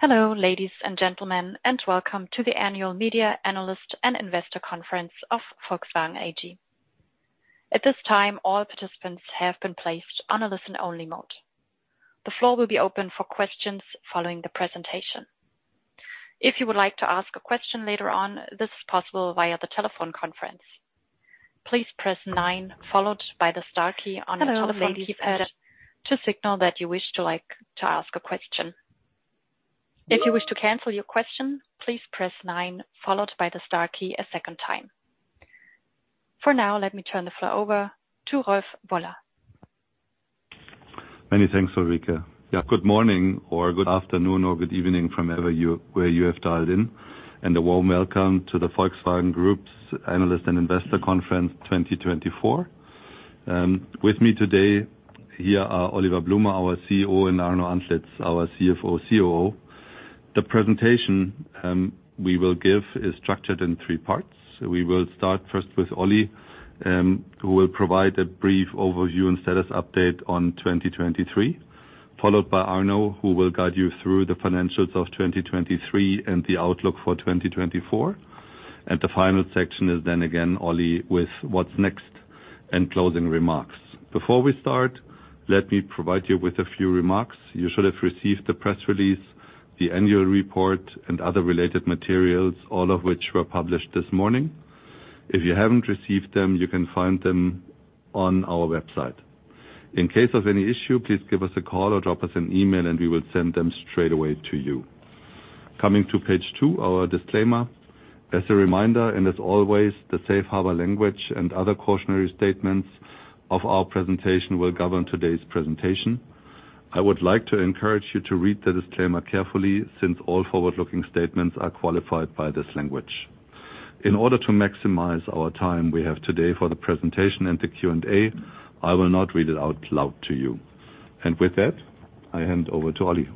Hello, ladies and gentlemen, and welcome to the Annual Media Analyst and Investor Conference of Volkswagen AG. At this time, all participants have been placed on a listen-only mode. The floor will be open for questions following the presentation. If you would like to ask a question later on, this is possible via the telephone conference. Please press nine, followed by the star key on your telephone keypad to signal that you wish to ask a question. If you wish to cancel your question, please press nine, followed by the star key a second time. For now, let me turn the floor over to Rolf Woller. Many thanks, Ulrika. Yeah, good morning or good afternoon or good evening from wherever you, where you have dialed in, and a warm welcome to the Volkswagen Group's Analyst and Investor Conference 2024. With me today here are Oliver Blume, our CEO, and Arno Antlitz, our CFO/COO. The presentation we will give is structured in three parts. We will start first with Oli, who will provide a brief overview and status update on 2023, followed by Arno, who will guide you through the financials of 2023 and the outlook for 2024. And the final section is then, again, Oli, with what's next and closing remarks. Before we start, let me provide you with a few remarks. You should have received the press release, the annual report, and other related materials, all of which were published this morning. If you haven't received them, you can find them on our website. In case of any issue, please give us a call or drop us an email, and we will send them straight away to you. Coming to page two, our disclaimer. As a reminder, and as always, the safe harbor language and other cautionary statements of our presentation will govern today's presentation. I would like to encourage you to read the disclaimer carefully, since all forward-looking statements are qualified by this language. In order to maximize our time we have today for the presentation and the Q&A, I will not read it out loud to you. And with that, I hand over to Oli.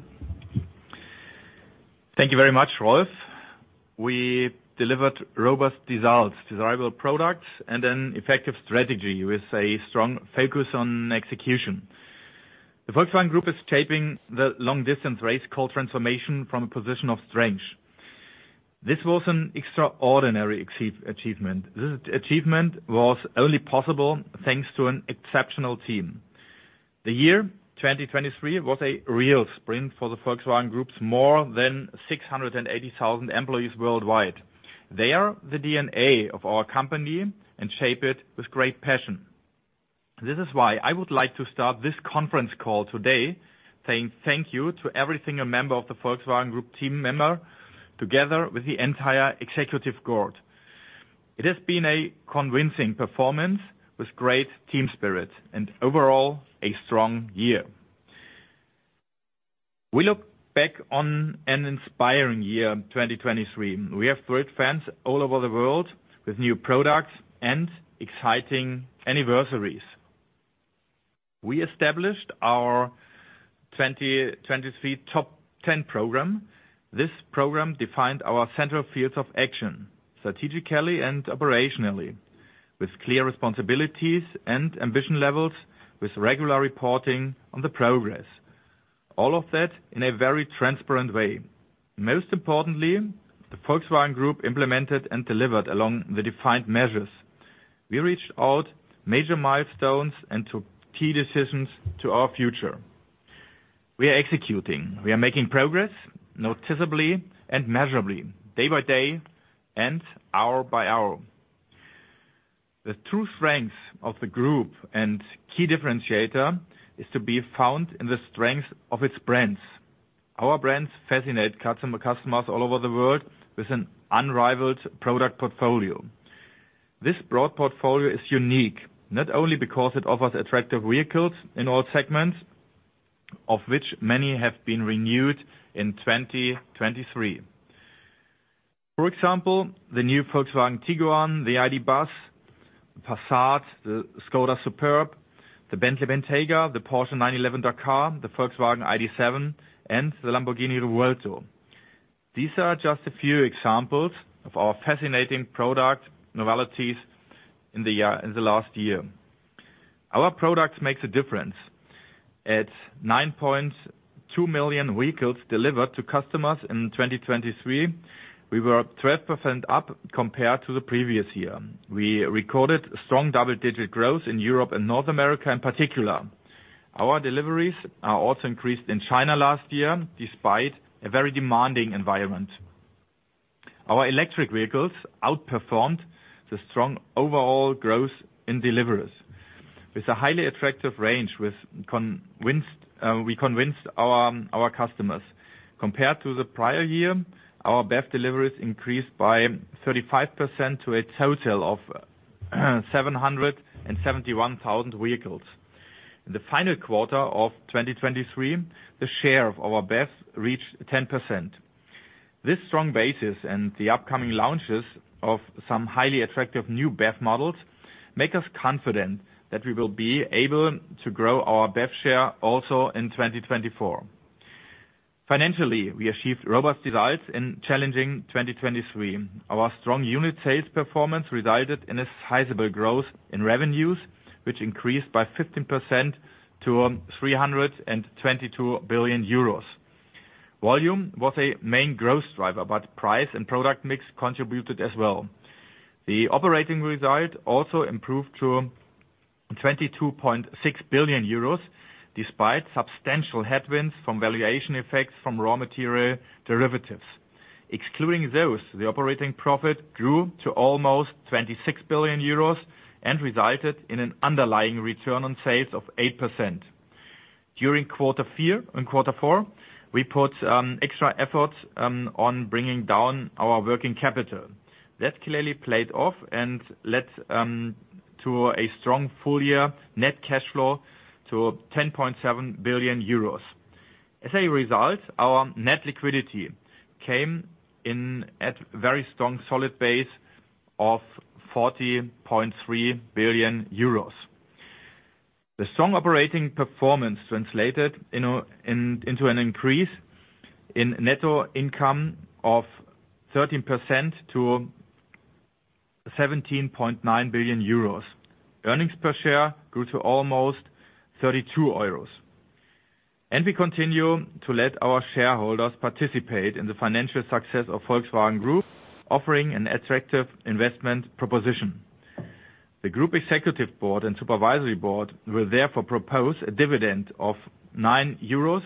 Thank you very much, Rolf. We delivered robust results, desirable products, and an effective strategy with a strong focus on execution. The Volkswagen Group is shaping the long-distance race called transformation from a position of strength. This was an extraordinary achievement. This achievement was only possible thanks to an exceptional team. The year 2023 was a real sprint for the Volkswagen Group's more than 680,000 employees worldwide. They are the DNA of our company and shape it with great passion. This is why I would like to start this conference call today, saying thank you to every single member of the Volkswagen Group team, together with the entire executive board. It has been a convincing performance with great team spirit and overall, a strong year. We look back on an inspiring year in 2023. We have thrilled fans all over the world with new products and exciting anniversaries. We established our 2023 Top 10 program. This program defined our central fields of action, strategically and operationally, with clear responsibilities and ambition levels, with regular reporting on the progress, all of that in a very transparent way. Most importantly, the Volkswagen Group implemented and delivered along the defined measures. We reached our major milestones and took key decisions to our future. We are executing, we are making progress, noticeably and measurably, day by day and hour by hour. The true strength of the group and key differentiator is to be found in the strength of its brands. Our brands fascinate customers all over the world with an unrivaled product portfolio. This broad portfolio is unique, not only because it offers attractive vehicles in all segments, of which many have been renewed in 2023. For example, the new Volkswagen Tiguan, the ID. Buzz, Passat, the Škoda Superb, the Bentley Bentayga, the Porsche 911 Dakar, the Volkswagen ID.7, and the Lamborghini Revuelto. These are just a few examples of our fascinating product novelties in the year, in the last year. Our products makes a difference. At 9.2 million vehicles delivered to customers in 2023, we were up 12% up compared to the previous year. We recorded strong double-digit growth in Europe and North America in particular. Our deliveries are also increased in China last year, despite a very demanding environment. Our electric vehicles outperformed the strong overall growth in deliveries. With a highly attractive range, with convinced, we convinced our, our customers. Compared to the prior-year, our BEV deliveries increased by 35% to a total of 771,000 vehicles. In the final quarter of 2023, the share of our BEVs reached 10%. This strong basis and the upcoming launches of some highly attractive new BEV models make us confident that we will be able to grow our BEV share also in 2024. Financially, we achieved robust results in challenging 2023. Our strong unit sales performance resulted in a sizable growth in revenues, which increased by 15% to 322 billion euros—volume was a main growth driver, but price and product mix contributed as well. The operating result also improved to 22.6 billion euros, despite substantial headwinds from valuation effects from raw material derivatives. Excluding those, the operating profit grew to almost 26 billion euros and resulted in an underlying return on sales of 8%. During quarter four, in quarter four, we put extra effort on bringing down our working capital. That clearly played off and led to a strong full-year net cash flow to 10.7 billion euros. As a result, our net liquidity came in at very strong, solid base of 40.3 billion euros. The strong operating performance translated into an increase in net income of 13% to 17.9 billion euros. Earnings per share grew to almost 32 euros. We continue to let our shareholders participate in the financial success of Volkswagen Group, offering an attractive investment proposition. The Group Executive Board and Supervisory Board will therefore propose a dividend of 9 euros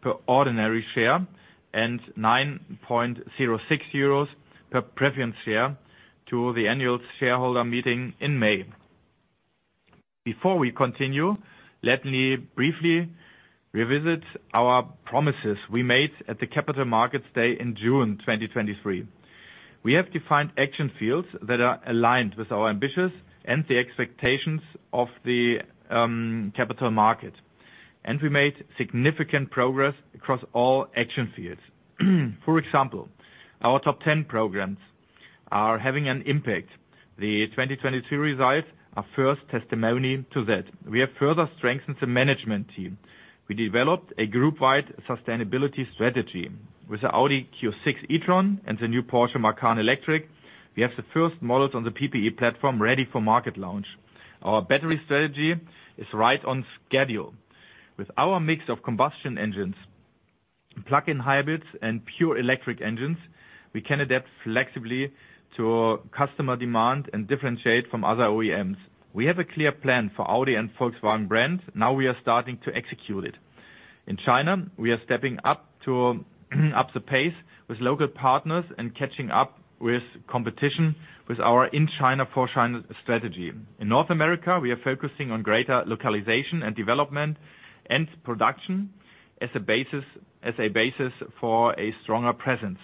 per ordinary share and 9.06 euros per preference share to the Annual Shareholder Meeting in May. Before we continue, let me briefly revisit our promises we made at the Capital Markets Day in June 2023. We have defined action fields that are aligned with our ambitions and the expectations of the capital market, and we made significant progress across all action fields. For example, our top 10 programs are having an impact. The 2022 results are first testimony to that. We have further strengthened the management team. We developed a group-wide sustainability strategy. With the Audi Q6 e-tron and the new Porsche Macan Electric, we have the first models on the PPE platform ready for market launch. Our battery strategy is right on schedule. With our mix of combustion engines, plug-in hybrids, and pure electric engines, we can adapt flexibly to customer demand and differentiate from other OEMs. We have a clear plan for Audi and Volkswagen brands. Now we are starting to execute it. In China, we are stepping up the pace with local partners and catching up with competition with our In China, For China strategy. In North America, we are focusing on greater localization and development and production as a basis for a stronger presence.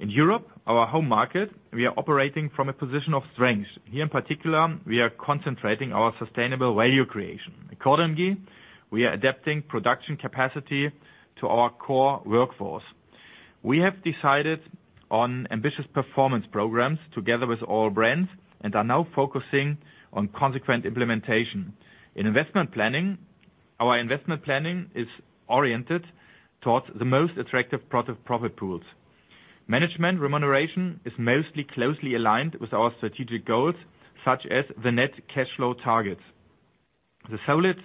In Europe, our home market, we are operating from a position of strength. Here, in particular, we are concentrating our sustainable value creation. Accordingly, we are adapting production capacity to our core workforce. We have decided on ambitious performance programs together with all brands, and are now focusing on consequent implementation. In investment planning, our investment planning is oriented towards the most attractive profit, profit pools. Management remuneration is mostly closely aligned with our strategic goals, such as the net cash flow targets. The solid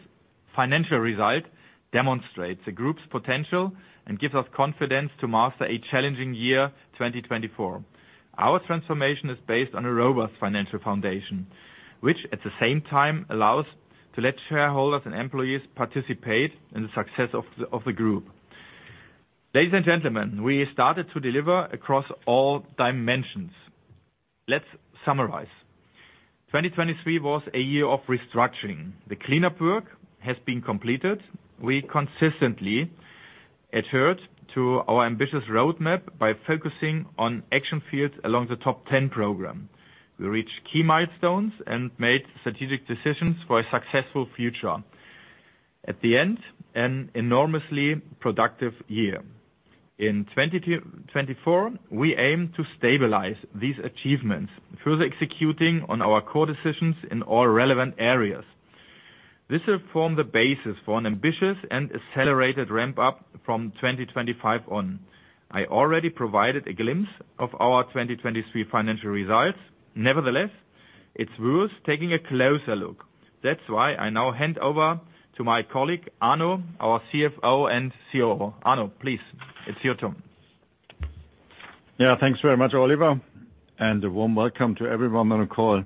financial result demonstrates the group's potential and gives us confidence to master a challenging year, 2024. Our transformation is based on a robust financial foundation, which at the same time allows to let shareholders and employees participate in the success of the, of the group. Ladies and gentlemen, we started to deliver across all dimensions. Let's summarize. 2023 was a year of restructuring. The cleanup work has been completed. We consistently adhered to our ambitious roadmap by focusing on action fields along the Top 10 program. We reached key milestones and made strategic decisions for a successful future. At the end, an enormously productive year. In 2024, we aim to stabilize these achievements, further executing on our core decisions in all relevant areas. This will form the basis for an ambitious and accelerated ramp-up from 2025 on. I already provided a glimpse of our 2023 financial results. Nevertheless, it's worth taking a closer look. That's why I now hand over to my colleague, Arno, our CFO and COO. Arno, please, it's your turn. Yeah, thanks very much, Oliver, and a warm welcome to everyone on the call.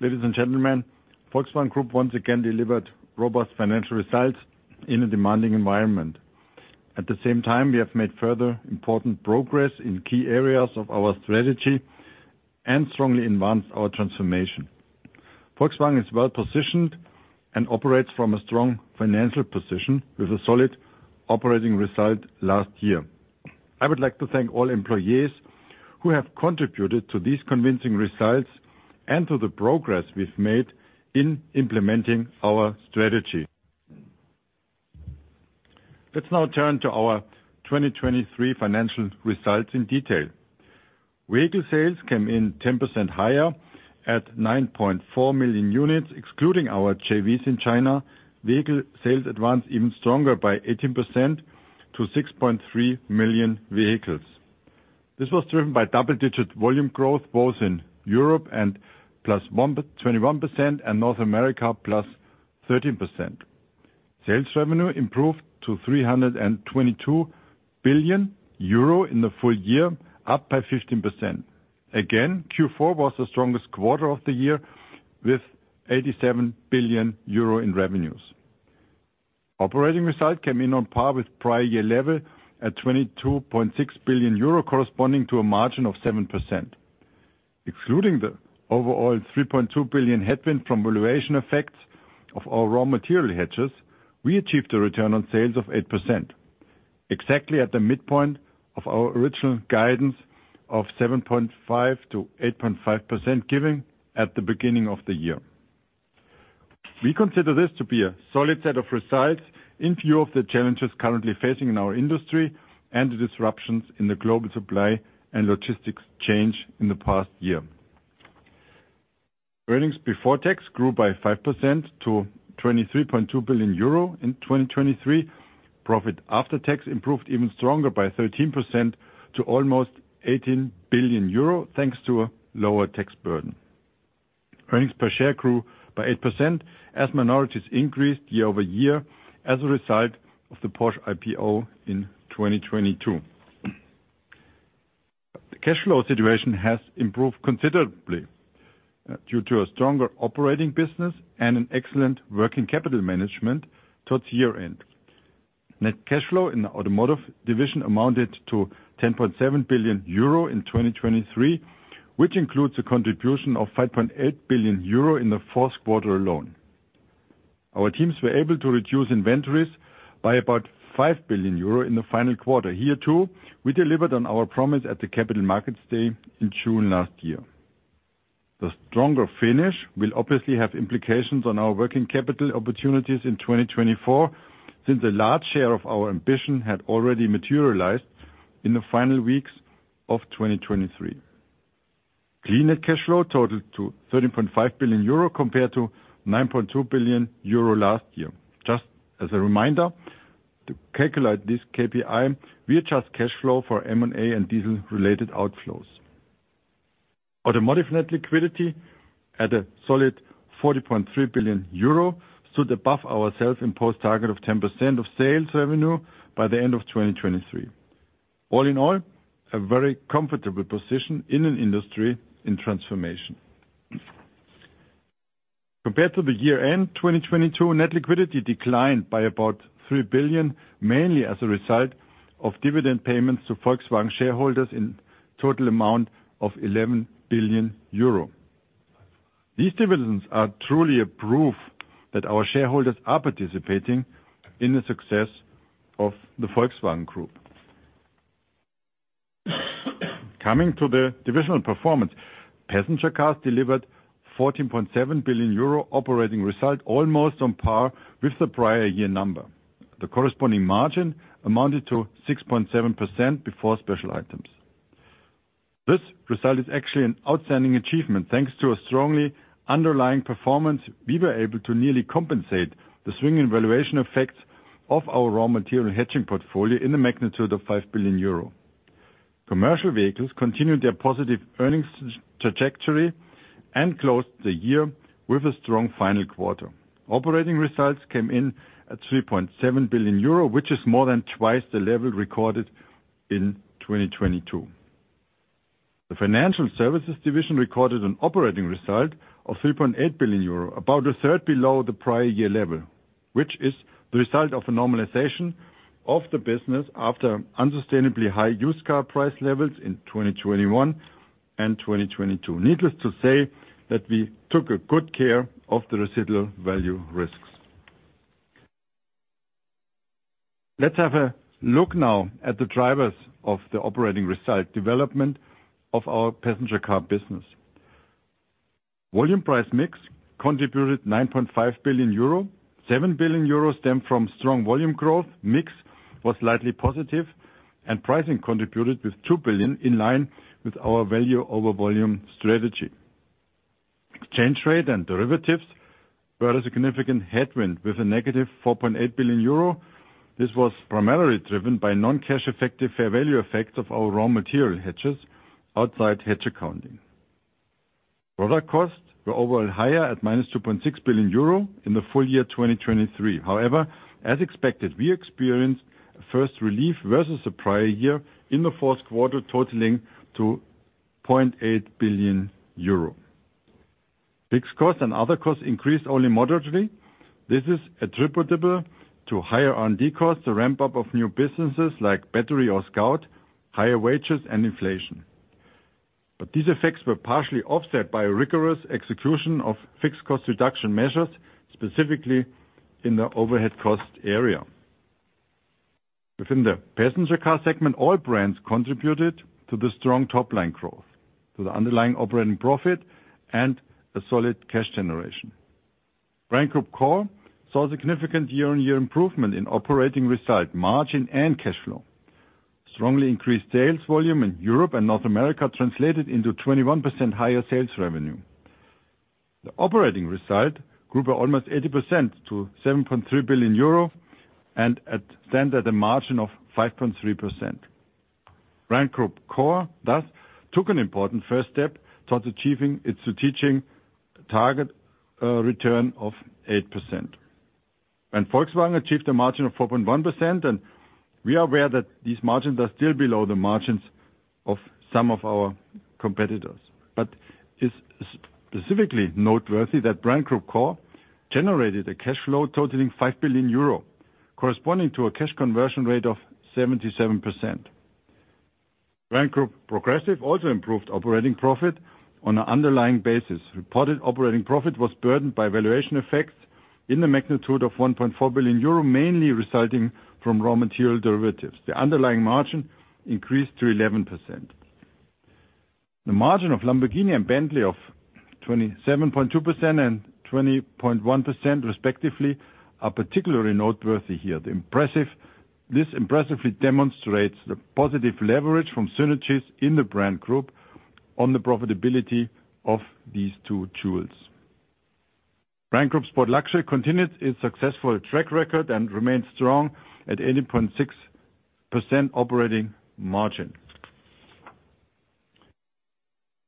Ladies and gentlemen, Volkswagen Group once again delivered robust financial results in a demanding environment. At the same time, we have made further important progress in key areas of our strategy and strongly advanced our transformation. Volkswagen is well-positioned and operates from a strong financial position with a solid operating result last year. I would like to thank all employees who have contributed to these convincing results and to the progress we've made in implementing our strategy. Let's now turn to our 2023 financial results in detail. Vehicle sales came in 10% higher at 9.4 million units, excluding our JVs in China. Vehicle sales advanced even stronger by 18% to 6.3 million vehicles. This was driven by double-digit volume growth, both in Europe and +21%, and North America, +13%. Sales revenue improved to 322 billion euro in the full-year, up by 15%. Again, Q4 was the strongest quarter of the year, with 87 billion euro in revenues. Operating results came in on par with prior-year level, at 22.6 billion euro, corresponding to a margin of 7%. Excluding the overall 3.2 billion headwind from valuation effects of our raw material hedges, we achieved a return on sales of 8%, exactly at the midpoint of our original guidance of 7.5% to 8.5%, given at the beginning of the year. We consider this to be a solid set of results in view of the challenges currently facing in our industry and the disruptions in the global supply and logistics chain in the past year. Earnings before tax grew by 5% to 23.2 billion euro in 2023. Profit after tax improved even stronger by 13% to almost 18 billion euro, thanks to a lower tax burden. Earnings per share grew by 8%, as minorities increased year-over-year as a result of the Porsche IPO in 2022. The cash flow situation has improved considerably, due to a stronger operating business and an excellent working capital management towards year-end. Net cash flow in the automotive division amounted to 10.7 billion euro in 2023, which includes a contribution of 5.8 billion euro in the fourth quarter alone. Our teams were able to reduce inventories by about 5 billion euro in the final quarter. Here, too, we delivered on our promise at the Capital Markets Day in June last year. The stronger finish will obviously have implications on our working capital opportunities in 2024, since a large share of our ambition had already materialized in the final weeks of 2023. Clean net cash flow totaled to 13.5 billion euro, compared to 9.2 billion euro last year. Just as a reminder, to calculate this KPI, we adjust cash flow for M&A and diesel-related outflows. Automotive net liquidity at a solid 40.3 billion euro, stood above our self-imposed target of 10% of sales revenue by the end of 2023. All in all, a very comfortable position in an industry in transformation. Compared to the year-end 2022, net liquidity declined by about 3 billion, mainly as a result of dividend payments to Volkswagen shareholders in total amount of 11 billion euro. These dividends are truly a proof that our shareholders are participating in the success of the Volkswagen Group. Coming to the divisional performance, passenger cars delivered 14.7 billion euro operating result, almost on par with the prior-year number. The corresponding margin amounted to 6.7% before special items. This result is actually an outstanding achievement. Thanks to a strongly underlying performance, we were able to nearly compensate the swinging valuation effects of our raw material hedging portfolio in the magnitude of 5 billion euro. Commercial vehicles continued their positive earnings trajectory and closed the year with a strong final quarter. Operating results came in at 3.7 billion euro, which is more than twice the level recorded in 2022. The financial services division recorded an operating result of 3.8 billion euro, about a third below the prior-year level, which is the result of a normalization of the business after unsustainably high used car price levels in 2021 and 2022. Needless to say, that we took good care of the residual value risks. Let's have a look now at the drivers of the operating result development of our passenger car business. Volume price mix contributed 9.5 billion euro. 7 billion euro stemmed from strong volume growth. Mix was slightly positive, and pricing contributed with 2 billion, in line with our value over volume strategy. Exchange rate and derivatives were a significant headwind with a negative 4.8 billion euro. This was primarily driven by non-cash effective fair value effects of our raw material hedges outside hedge accounting. Product costs were overall higher at -2.6 billion euro in the full-year 2023. However, as expected, we experienced a first relief versus the prior-year in the fourth quarter, totaling 0.8 billion euro. Fixed costs and other costs increased only moderately. This is attributable to higher R&D costs, the ramp-up of new businesses like battery or Scout, higher wages, and inflation. But these effects were partially offset by a rigorous execution of fixed cost reduction measures, specifically in the overhead cost area. Within the passenger car segment, all brands contributed to the strong top-line growth, to the underlying operating profit and a solid cash generation. Brand Group Core saw a significant year-on-year improvement in operating result, margin, and cash flow. Strongly increased sales volume in Europe and North America translated into 21% higher sales revenue. The operating result grew by almost 80% to 7.3 billion euro, and it stands at a margin of 5.3%. Brand Group Core thus took an important first step towards achieving its strategic target, return of 8%. Volkswagen achieved a margin of 4.1%, and we are aware that these margins are still below the margins of some of our competitors. It's specifically noteworthy that Brand Group Core generated a cash flow totaling 5 billion euro, corresponding to a cash conversion rate of 77%. Brand Group Progressive also improved operating profit on an underlying basis. Reported operating profit was burdened by valuation effects in the magnitude of 1.4 billion euro, mainly resulting from raw material derivatives. The underlying margin increased to 11%. The margin of Lamborghini and Bentley of 27.2% and 20.1%, respectively, are particularly noteworthy here. This impressively demonstrates the positive leverage from synergies in the brand group on the profitability of these two jewels. Brand Group Sport Luxury continues its successful track record and remains strong at 80.6% operating margin.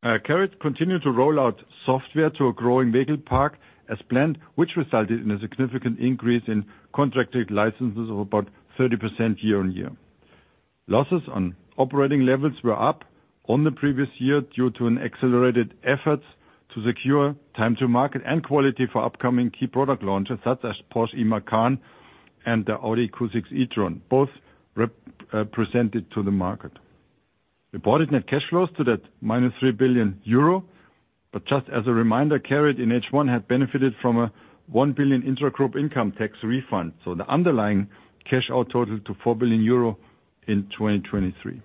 CARIAD continued to roll out software to a growing vehicle park as planned, which resulted in a significant increase in contracted licenses of about 30% year-on-year. Losses on operating levels were up on the previous year due to an accelerated effort to secure time to market and quality for upcoming key product launches, such as Porsche Macan and the Audi Q6 e-tron, both presented to the market. Reported net cash flows to that minus 3 billion euro, but just as a reminder, CARIAD in H1 had benefited from a 1 billion intragroup income tax refund, so the underlying cash out totaled to 4 billion euro in 2023.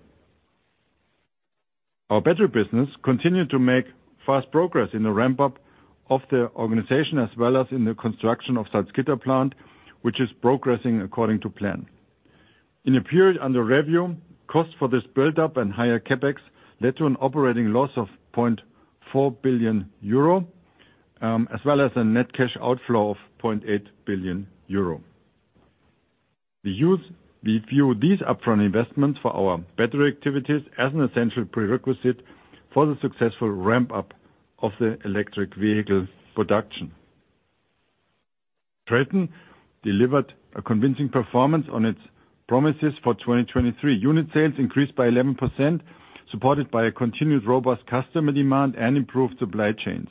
Our battery business continued to make fast progress in the ramp-up of the organization, as well as in the construction of Salzgitter plant, which is progressing according to plan. In the period under review, costs for this build-up and higher CapEx led to an operating loss of 0.4 billion euro, as well as a net cash outflow of 0.8 billion euro. We view these upfront investments for our battery activities as an essential prerequisite for the successful ramp-up of the electric vehicle production. TRATON delivered a convincing performance on its promises for 2023. Unit sales increased by 11%, supported by a continued robust customer demand and improved supply chains.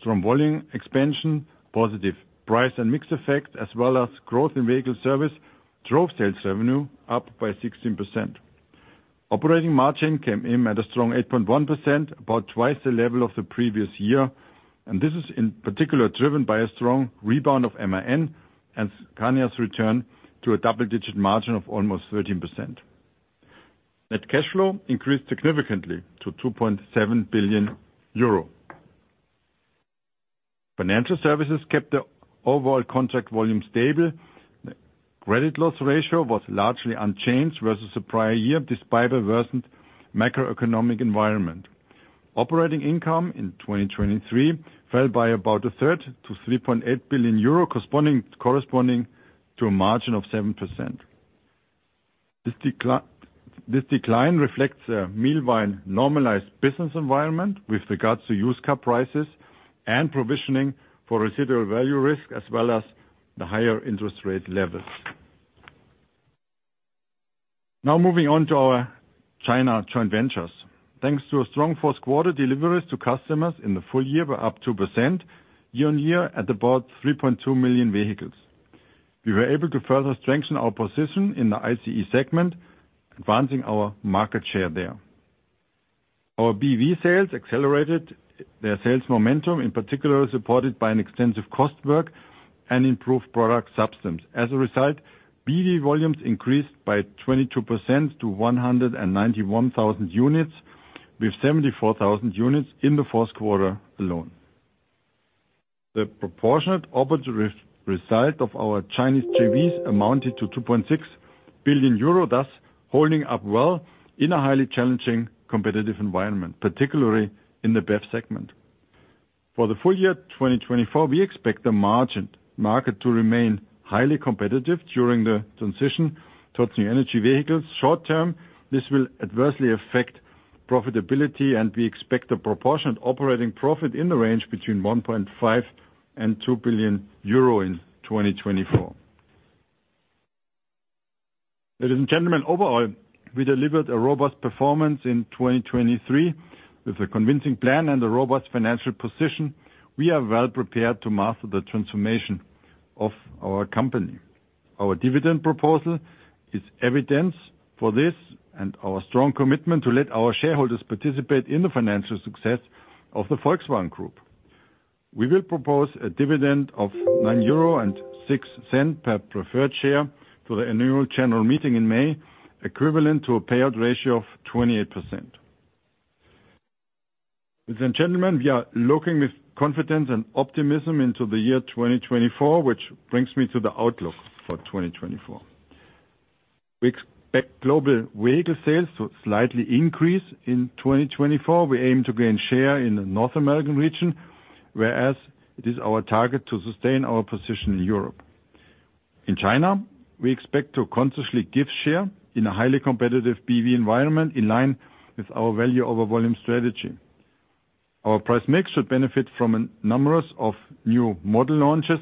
Strong volume expansion, positive price and mix effect, as well as growth in vehicle service, drove sales revenue up by 16%. Operating margin came in at a strong 8.1%, about twice the level of the previous year, and this is in particular, driven by a strong rebound of MAN and Scania's return to a double-digit margin of almost 13%. Net cash flow increased significantly to 2.7 billion euro. Financial services kept the overall contract volume stable. Credit loss ratio was largely unchanged versus the prior-year, despite a worsened macroeconomic environment. Operating income in 2023 fell by about a third to 3.8 billion euro, corresponding to a margin of 7%. This decline reflects a meanwhile normalized business environment with regards to used car prices and provisioning for residual value risk, as well as the higher interest rate levels. Now moving on to our China joint ventures. Thanks to a strong fourth quarter, deliveries to customers in the full-year were up 2% year-on-year at about 3.2 million vehicles. We were able to further strengthen our position in the ICE segment, advancing our market share there. Our BEV sales accelerated their sales momentum, in particular, supported by an extensive cost work and improved product substance. As a result, BEV volumes increased by 22% to 191,000 units, with 74,000 units in the fourth quarter alone. The proportionate operating result of our Chinese JVs amounted to 2.6 billion euro, thus holding up well in a highly challenging competitive environment, particularly in the BEV segment. For the full-year 2024, we expect the margined market to remain highly competitive during the transition towards new energy vehicles. Short term, this will adversely affect profitability, and we expect a proportionate operating profit in the range between 1.5 to 2 billion euro in 2024. Ladies and gentlemen, overall, we delivered a robust performance in 2023. With a convincing plan and a robust financial position, we are well-prepared to master the transformation of our company. Our dividend proposal is evidence for this and our strong commitment to let our shareholders participate in the financial success of the Volkswagen Group. We will propose a dividend of 9.06 euro per preferred share to the Annual General Meeting in May, equivalent to a payout ratio of 28%. Ladies and gentlemen, we are looking with confidence and optimism into the year 2024, which brings me to the outlook for 2024. We expect global vehicle sales to slightly increase in 2024. We aim to gain share in the North American region, whereas it is our target to sustain our position in Europe. In China, we expect to consciously give share in a highly competitive BEV environment, in line with our value over volume strategy. Our price mix should benefit from a number of new model launches.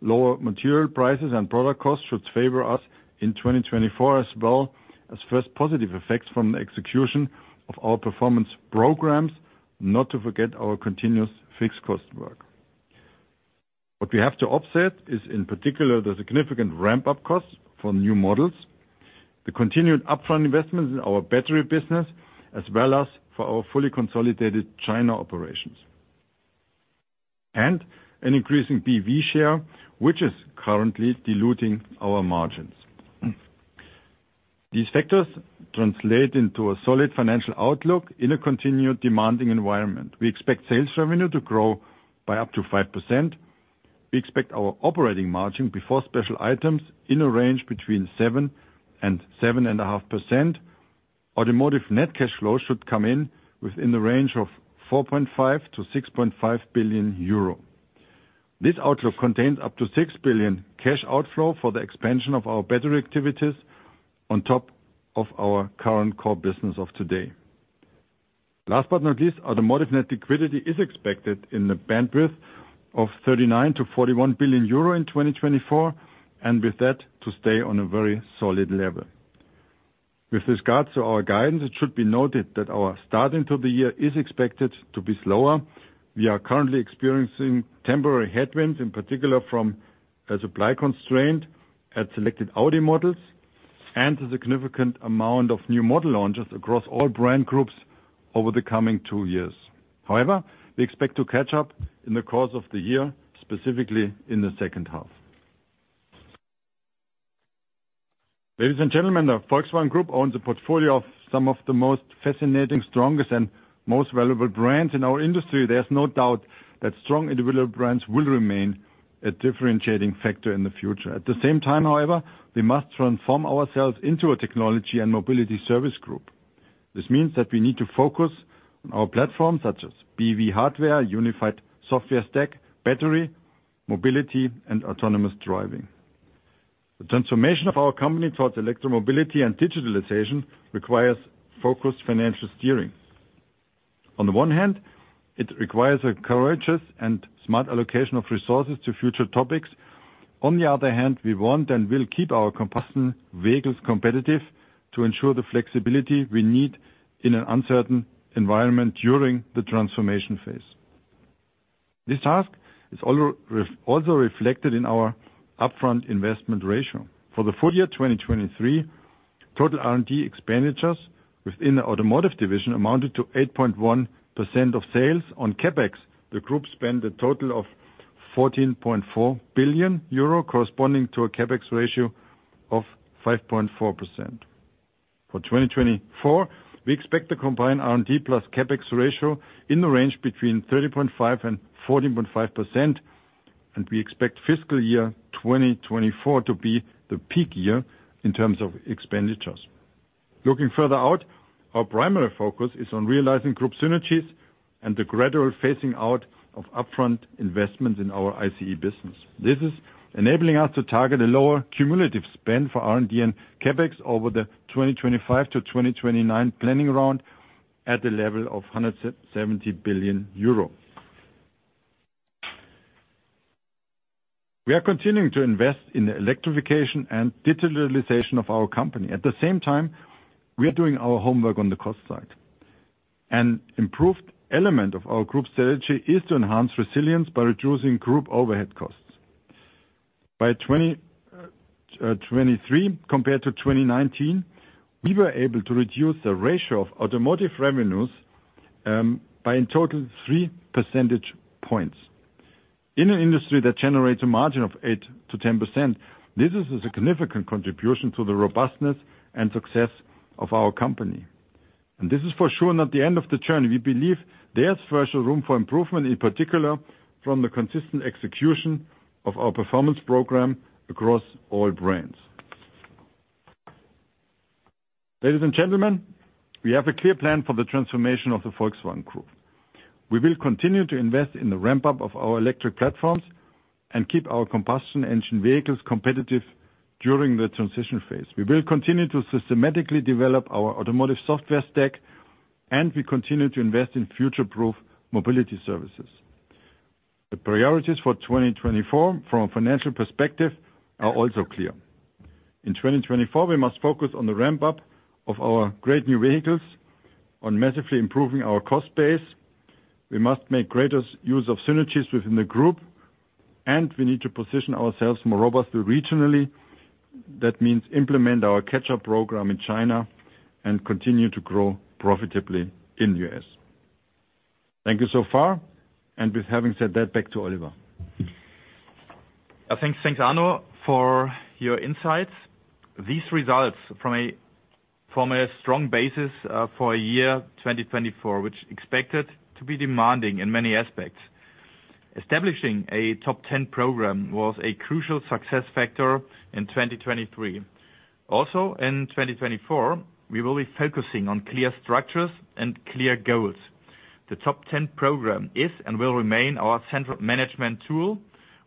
Lower material prices and product costs should favor us in 2024, as well as first positive effects from the execution of our performance programs, not to forget our continuous fixed cost work. What we have to offset is, in particular, the significant ramp-up costs for new models, the continued upfront investments in our battery business, as well as for our fully consolidated China operations, and an increasing BEV share, which is currently diluting our margins. These factors translate into a solid financial outlook in a continued demanding environment. We expect sales revenue to grow by up to 5%. We expect our operating margin, before special items, in a range between 7% to 7.5%. Automotive net cash flow should come in within the range of 4.5 billion to 6.5 billion euro. This outlook contains up to 6 billion cash outflow for the expansion of our battery activities, on top of our current core business of today. Last but not least, automotive net liquidity is expected in the bandwidth of 39 billion to 41 billion euro in 2024, and with that, to stay on a very solid level. With regards to our guidance, it should be noted that our start into the year is expected to be slower. We are currently experiencing temporary headwinds, in particular from a supply constraint at selected Audi models, and a significant amount of new model launches across all brand groups over the coming two years. However, we expect to catch up in the course of the year, specifically in the second half. Ladies and gentlemen, the Volkswagen Group owns a portfolio of some of the most fascinating, strongest, and most valuable brands in our industry. There's no doubt that strong individual brands will remain a differentiating factor in the future. At the same time, however, we must transform ourselves into a technology and mobility service group. This means that we need to focus on our platforms, such as BEV hardware, unified software stack, battery, mobility, and autonomous driving. The transformation of our company towards electromobility and digitalization requires focused financial steering. On the one hand, it requires a courageous and smart allocation of resources to future topics. On the other hand, we want and will keep our combustion vehicles competitive to ensure the flexibility we need in an uncertain environment during the transformation phase. This task is also reflected in our upfront investment ratio. For the full-year 2023, total R&D expenditures within the automotive division amounted to 8.1% of sales. On CapEx, the group spent a total of 14.4 billion euro, corresponding to a CapEx ratio of 5.4%. For 2024, we expect the combined R&D plus CapEx ratio in the range between 30.5% and 40.5%, and we expect fiscal year 2024 to be the peak year in terms of expenditures. Looking further out, our primary focus is on realizing group synergies and the gradual phasing out of upfront investments in our ICE business. This is enabling us to target a lower cumulative spend for R&D and CapEx over the 2025 to 2029 planning round, at the level of 170 billion euro. We are continuing to invest in the electrification and digitalization of our company. At the same time, we are doing our homework on the cost side. An improved element of our group strategy is to enhance resilience by reducing group overhead costs. By 2023, compared to 2019, we were able to reduce the ratio of automotive revenues by, in total, 3 percentage points. In an industry that generates a margin of 8% to 10%, this is a significant contribution to the robustness and success of our company, and this is for sure not the end of the journey. We believe there's further room for improvement, in particular from the consistent execution of our performance program across all brands. Ladies and gentlemen, we have a clear plan for the transformation of the Volkswagen Group. We will continue to invest in the ramp-up of our electric platforms and keep our combustion engine vehicles competitive during the transition phase. We will continue to systematically develop our automotive software stack, and we continue to invest in future-proof mobility services. The priorities for 2024, from a financial perspective, are also clear. In 2024, we must focus on the ramp-up of our great new vehicles, on massively improving our cost base. We must make greater use of synergies within the group, and we need to position ourselves more robustly, regionally. That means implement our catch-up program in China and continue to grow profitably in the US. Thank you so far, and with having said that, back to Oliver. Thanks, thanks, Arno, for your insights. These results form a strong basis for year 2024, which expected to be demanding in many aspects. Establishing a Top 10 program was a crucial success factor in 2023. Also, in 2024, we will be focusing on clear structures and clear goals. The Top 10 program is and will remain our central management tool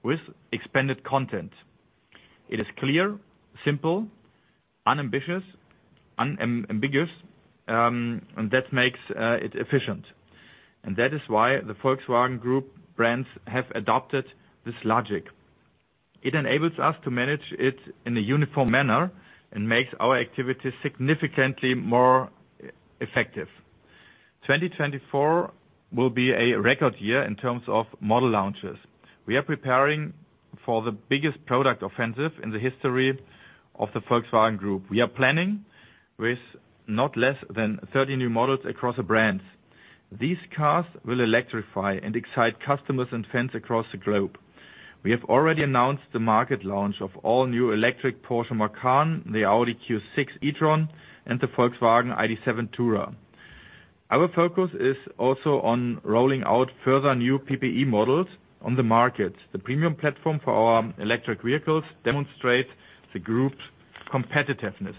with expanded content. It is clear, simple, unambitious, unambiguous, and that makes it efficient. And that is why the Volkswagen Group brands have adopted this logic. It enables us to manage it in a uniform manner and makes our activities significantly more effective. 2024 will be a record year in terms of model launches. We are preparing for the biggest product offensive in the history of the Volkswagen Group. We are planning with not less than 30 new models across the brands. These cars will electrify and excite customers and fans across the globe. We have already announced the market launch of all-new electric Porsche Macan, the Audi Q6 e-tron, and the Volkswagen ID.7 Tourer. Our focus is also on rolling out further new PPE models on the market. The premium platform for our electric vehicles demonstrate the group's competitiveness.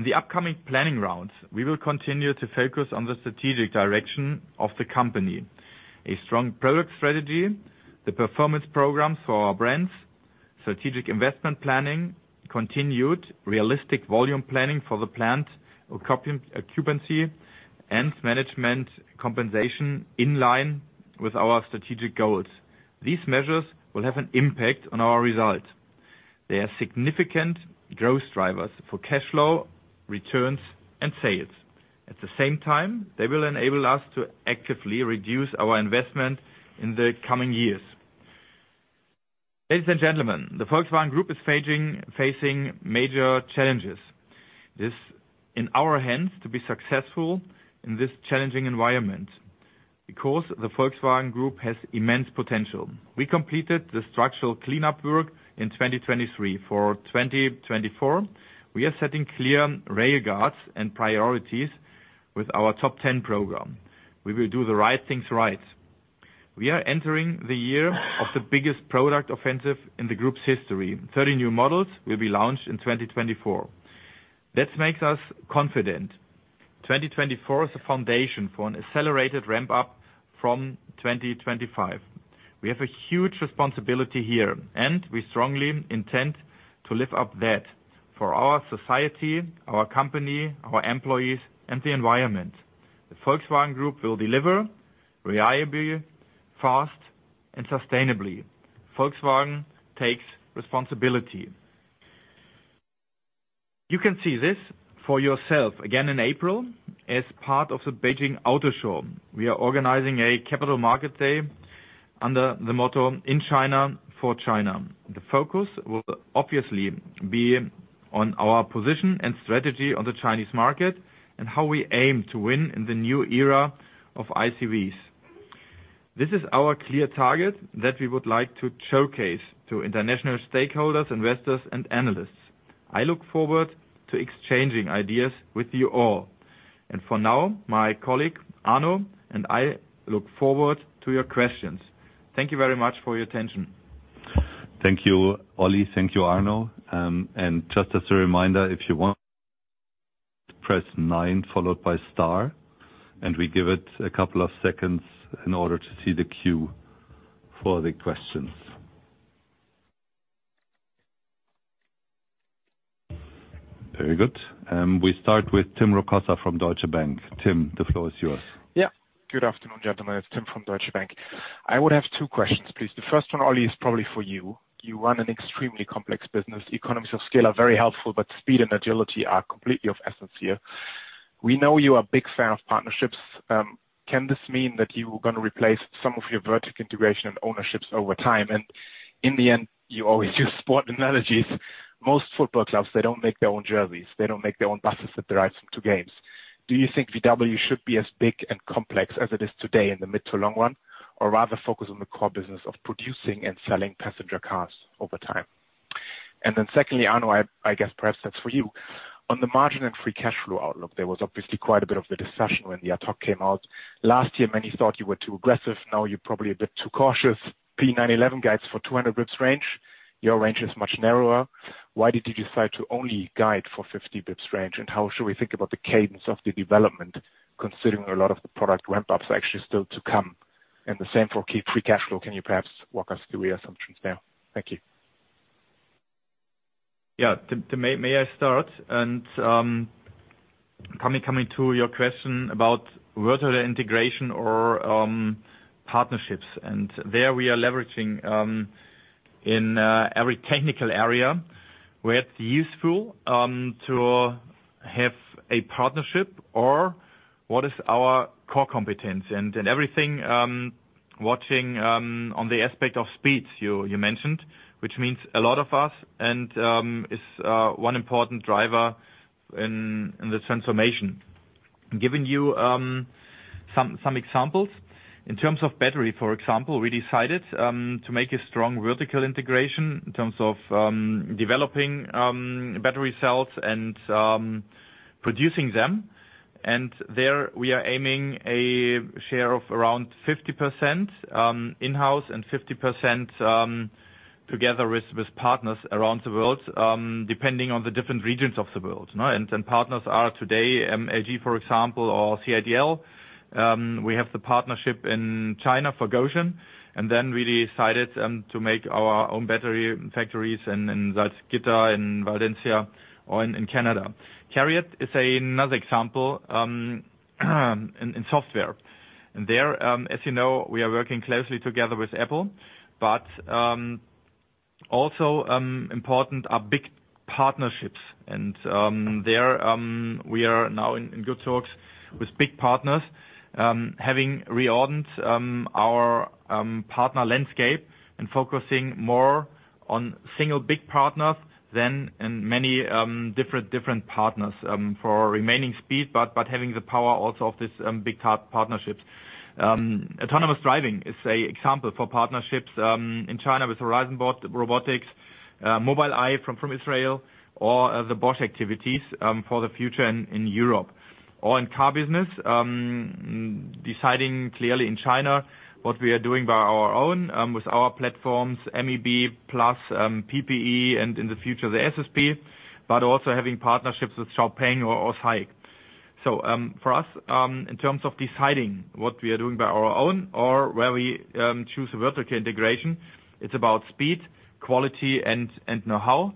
In the upcoming planning rounds, we will continue to focus on the strategic direction of the company. A strong product strategy, the performance program for our brands, strategic investment planning, continued realistic volume planning for the plant, occupancy and management compensation in line with our strategic goals. These measures will have an impact on our results. They are significant growth drivers for cash flow, returns, and sales. At the same time, they will enable us to actively reduce our investment in the coming years. Ladies and gentlemen, the Volkswagen Group is facing major challenges. It is in our hands to be successful in this challenging environment because the Volkswagen Group has immense potential. We completed the structural cleanup work in 2023. For 2024, we are setting clear guardrails and priorities with our top 10 program. We will do the right things right. We are entering the year of the biggest product offensive in the group's history. 30 new models will be launched in 2024. That makes us confident. 2024 is a foundation for an accelerated ramp-up from 2025. We have a huge responsibility here, and we strongly intend to live up to that for our society, our company, our employees, and the environment. The Volkswagen Group will deliver reliably, fast, and sustainably. Volkswagen takes responsibility. You can see this for yourself again in April as part of the Beijing Auto Show. We are organizing a Capital Market Day under the motto, In China, For China. The focus will obviously be on our position and strategy on the Chinese market and how we aim to win in the new era of ICVs. This is our clear target that we would like to showcase to international stakeholders, investors, and analysts. I look forward to exchanging ideas with you all. For now, my colleague, Arno, and I look forward to your questions. Thank you very much for your attention. Thank you, Oli. Thank you, Arno. And just as a reminder, if you want, press nine, followed by star, and we give it a couple of seconds in order to see the queue for the questions. Very good. We start with Tim Rokossa from Deutsche Bank. Tim, the floor is yours. Yeah. Good afternoon, gentlemen. It's Tim from Deutsche Bank. I would have two questions, please. The first one, Oli, is probably for you. You run an extremely complex business. Economies of scale are very helpful, but speed and agility are completely of essence here. We know you are a big fan of partnerships. Can this mean that you are gonna replace some of your vertical integration and ownerships over time? And in the end, you always use sport analogies. Most football clubs, they don't make their own jerseys, they don't make their own buses that drives them to games. Do you think VW should be as big and complex as it is today in the mid to long run, or rather focus on the core business of producing and selling passenger cars over time? And then secondly, Arno, I guess perhaps that's for you. On the margin and free cash flow outlook, there was obviously quite a bit of a discussion when the ad hoc came out. Last year, many thought you were too aggressive, now you're probably a bit too cautious. P911 guides for 200 basis points range, your range is much narrower. Why did you decide to only guide for 50 basis points range? And how should we think about the cadence of the development, considering a lot of the product ramp-ups are actually still to come? And the same for key free cash flow. Can you perhaps walk us through the assumptions there? Thank you. Yeah. May I start? And coming to your question about vertical integration or partnerships, and there we are leveraging in every technical area where it's useful to have a partnership or what is our core competence and everything focusing on the aspect of speed you mentioned, which means a lot to us and is one important driver in the transformation, giving you some examples. In terms of battery, for example, we decided to make a strong vertical integration in terms of developing battery cells and producing them. And there we are aiming a share of around 50% in-house, and 50% together with partners around the world, depending on the different regions of the world, no? And partners are today LG, for example, or CATL. We have the partnership in China for Gotion, and then we decided to make our own battery factories in Salzgitter, in Valencia, or in Canada. CARIAD is another example in software. And there, as you know, we are working closely together with Apple, but also important are big partnerships. And there we are now in good talks with big partners, having reordered our partner landscape and focusing more on single big partners than in many different partners for remaining speed, but having the power also of this big part partnerships. Autonomous driving is an example for partnerships in China with Horizon Robotics, Mobileye from Israel, or the Bosch activities for the future in Europe. Or in-car business, deciding clearly in China what we are doing by our own with our platforms, MEB plus PPE, and in the future, the SSP, but also having partnerships with XPeng or SAIC. So, for us, in terms of deciding what we are doing by our own or where we choose a vertical integration, it's about speed, quality, and know-how.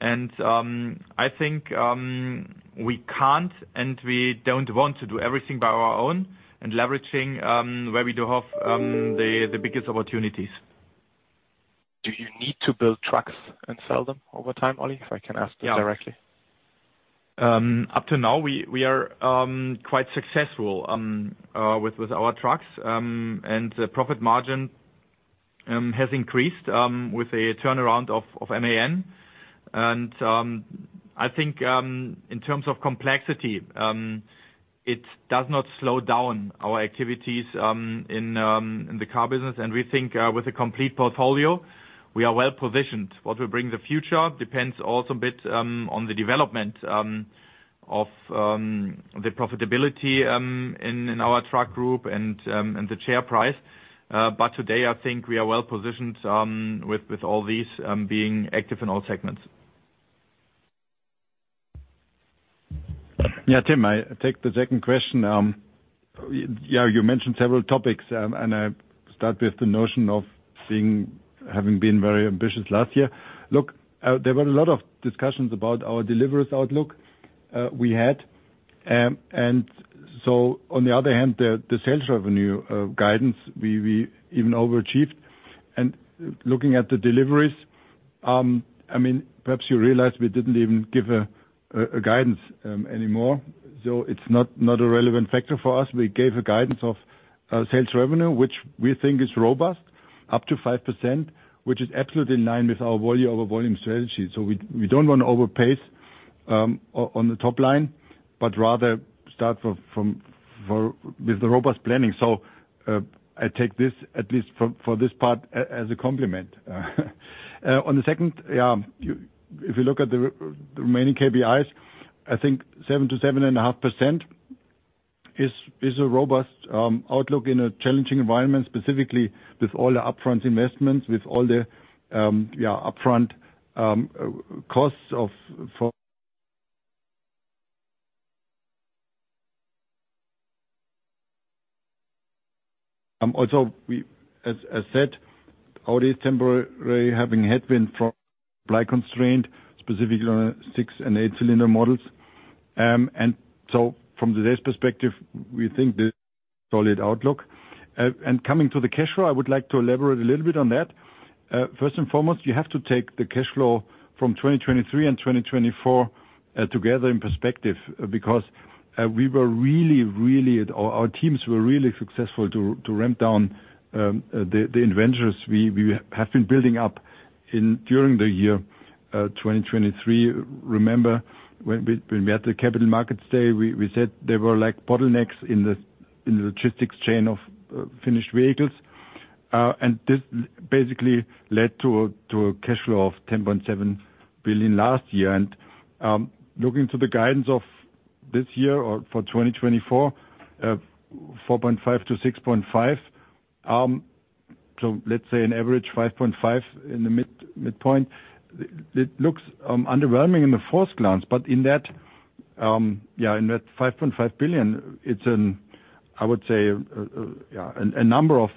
And, I think, we can't and we don't want to do everything by our own, and leveraging where we do have the biggest opportunities. Do you need to build trucks and sell them over time, Oli, if I can ask you directly? Yeah. Up to now, we are quite successful with our trucks and the profit margin has increased with a turnaround of MAN. I think in terms of complexity it does not slow down our activities in the car business, and we think with a complete portfolio we are well-positioned. What will bring the future depends also a bit on the development of the profitability in our truck group and the share price. But today, I think we are well-positioned with all these being active in all segments. Yeah, Tim, I take the second question. Yeah, you mentioned several topics, and I start with the notion of being, having been very ambitious last year. Look, there were a lot of discussions about our deliveries outlook, we had. And so on the other hand, the sales revenue guidance, we even overachieved. And looking at the deliveries, I mean, perhaps you realize we didn't even give a guidance anymore, so it's not a relevant factor for us. We gave a guidance of sales revenue, which we think is robust, up to 5%, which is absolutely in line with our value over volume strategy. So we don't want to overpace on the top line, but rather start from with the robust planning. So, I take this, at least for this part, as a compliment. On the second, if you look at the remaining KPIs, I think 7% to 7.5% is a robust outlook in a challenging environment, specifically with all the upfront investments, with all the upfront costs of. Also, as said, Audi is temporarily having headwind from supply constraint, specifically on six and eight-cylinder models. And so from today's perspective, we think this solid outlook. And coming to the cash flow, I would like to elaborate a little bit on that. First and foremost, you have to take the cash flow from 2023 and 2024 together in perspective, because we were really, really—our teams were really successful to ramp down the inventories we have been building up during the year 2023. Remember, when we had the Capital Markets Day, we said there were, like, bottlenecks in the logistics chain of finished vehicles. And this basically led to a cash flow of 10.7 billion last year. And looking to the guidance of this year or for 2024, 4.5 to 6.5, so let's say an average 5.5 in the midpoint, it looks underwhelming in the first glance. But in that 5.5 billion, it's an, I would say, a number of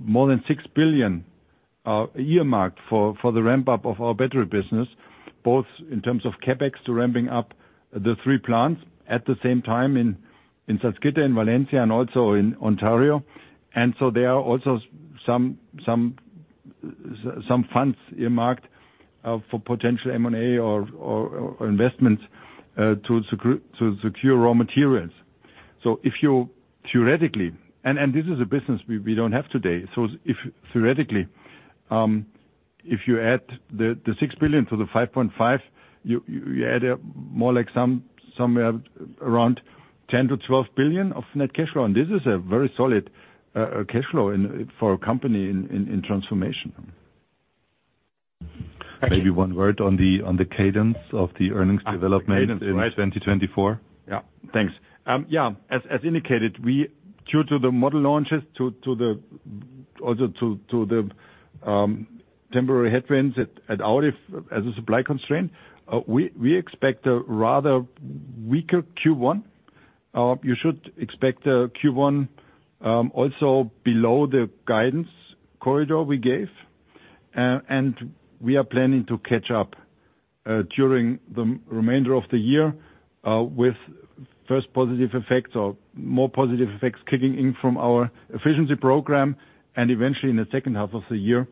more than 6 billion year mark for the ramp-up of our battery business, both in terms of CapEx to ramping up the three plants at the same time in Salzgitter, in Valencia, and also in Ontario. And so there are also some funds earmarked for potential M&A or investments to secure raw materials. So if you theoretically—and this is a business we don't have today, so if theoretically if you add the 6 billion to the 5.5 billion, you add up more like somewhere around 10 billion to 12 billion of net cash flow, and this is a very solid cash flow in for a company in transformation. Maybe one word on the cadence of the earnings development in 2024? Yeah, thanks. Yeah, as indicated, due to the model launches and also to the temporary headwinds at Audi as a supply constraint, we expect a rather weaker Q1. You should expect a Q1 also below the guidance corridor we gave. And we are planning to catch up during the remainder of the year with first positive effects or more positive effects kicking in from our efficiency program, and eventually in the second half of the year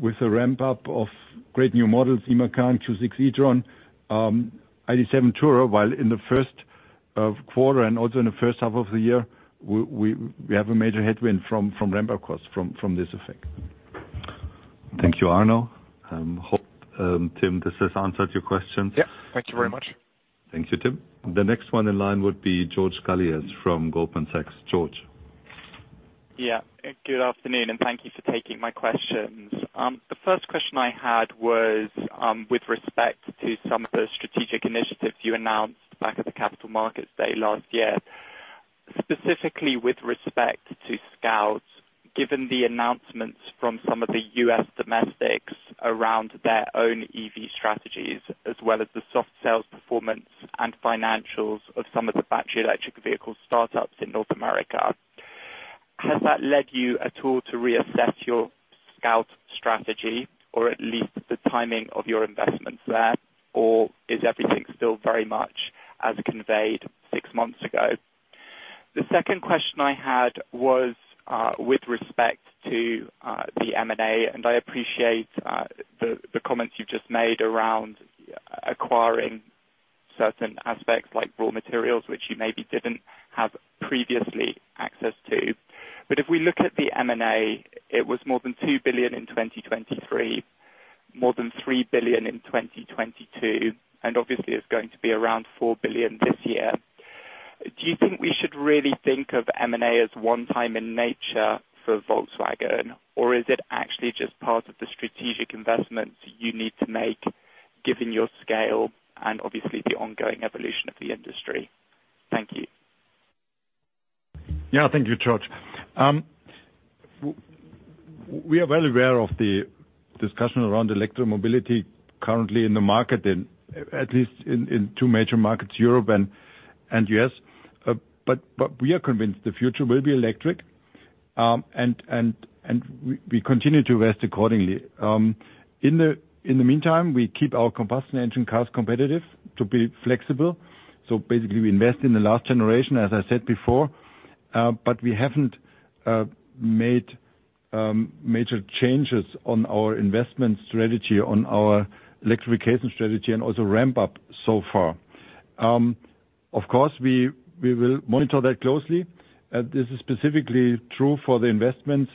with the ramp-up of great new models, Macan, Q6 e-tron, ID.7 Tourer. While in the first quarter and also in the first half of the year, we have a major headwind from ramp-up costs from this effect. Thank you, Arno. Hope, Tim, this has answered your question. Yeah. Thank you very much. Thank you, Tim. The next one in line would be George Galliers from Goldman Sachs. George? Yeah, good afternoon, and thank you for taking my questions. The first question I had was with respect to some of the strategic initiatives you announced back at the Capital Markets Day last year. Specifically with respect to Scout, given the announcements from some of the US domestics around their own EV strategies, as well as the soft sales performance and financials of some of the battery electric vehicle startups in North America, has that led you at all to reassess your Scout strategy, or at least the timing of your investments there? Or is everything still very much as conveyed six months ago? The second question I had was with respect to the M&A, and I appreciate the comments you've just made around acquiring certain aspects like raw materials, which you maybe didn't have previously access to. But if we look at the M&A, it was more than 2 billion in 2023, more than 3 billion in 2022, and obviously it's going to be around 4 billion this year. Do you think we should really think of M&A as one time in nature for Volkswagen? Or is it actually just part of the strategic investments you need to make, given your scale and obviously the ongoing evolution of the industry? Thank you. Yeah, thank you, George. We are well aware of the discussion around electric mobility currently in the market, and at least in two major markets, Europe and U.S. But we are convinced the future will be electric, and we continue to invest accordingly. In the meantime, we keep our combustion engine cars competitive to be flexible. So basically, we invest in the last generation, as I said before, but we haven't made major changes on our investment strategy, on our electrification strategy, and also ramp up so far. Of course, we will monitor that closely. This is specifically true for the investment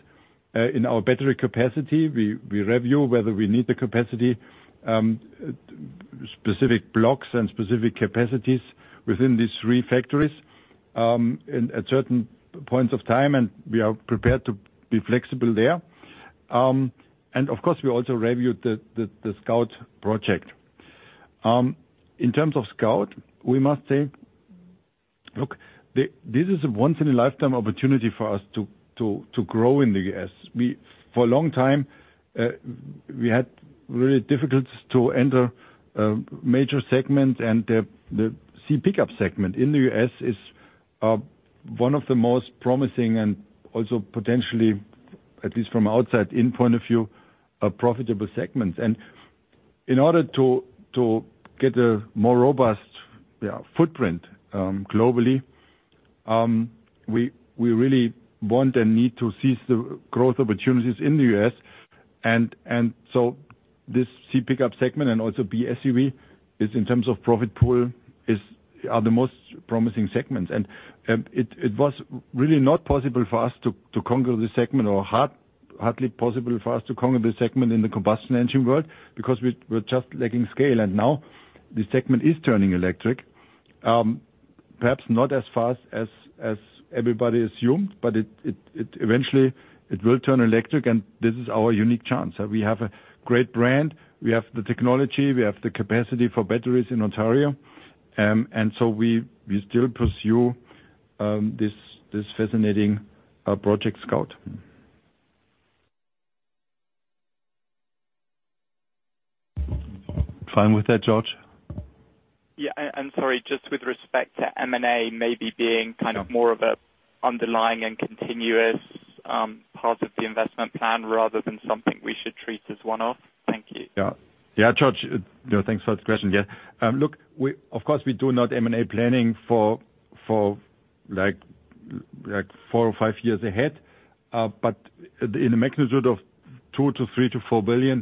in our battery capacity. We review whether we need the capacity, specific blocks and specific capacities within these three factories, and at certain points of time, and we are prepared to be flexible there. And of course, we also reviewed the Scout project. In terms of Scout, we must say, look, this is a once in a lifetime opportunity for us to grow in the US. We. For a long time, we had really difficult to enter a major segment, and the C pickup segment in the US is one of the most promising and also potentially, at least from outside in point of view, a profitable segment. And in order to get a more robust, yeah, footprint globally, we really want and need to seize the growth opportunities in the US. And so this C pickup segment and also D-SUV is in terms of profit pool are the most promising segments. It was really not possible for us to conquer this segment, or hardly possible for us to conquer this segment in the combustion engine world, because we're just lacking scale. And now the segment is turning electric, perhaps not as fast as everybody assumed, but it eventually will turn electric, and this is our unique chance. We have a great brand, we have the technology, we have the capacity for batteries in Ontario, and so we still pursue this fascinating project Scout. Fine with that, George? Yeah, and sorry, just with respect to M&A, maybe being— Yeah Kind of more of an underlying and continuous part of the investment plan rather than something we should treat as one-off? Thank you. Yeah. Yeah, George, thanks for the question. Yeah. Look, we of course do not M&A planning for, for, like, 4 or 5 years ahead, but in the magnitude of 2 to 4 billion,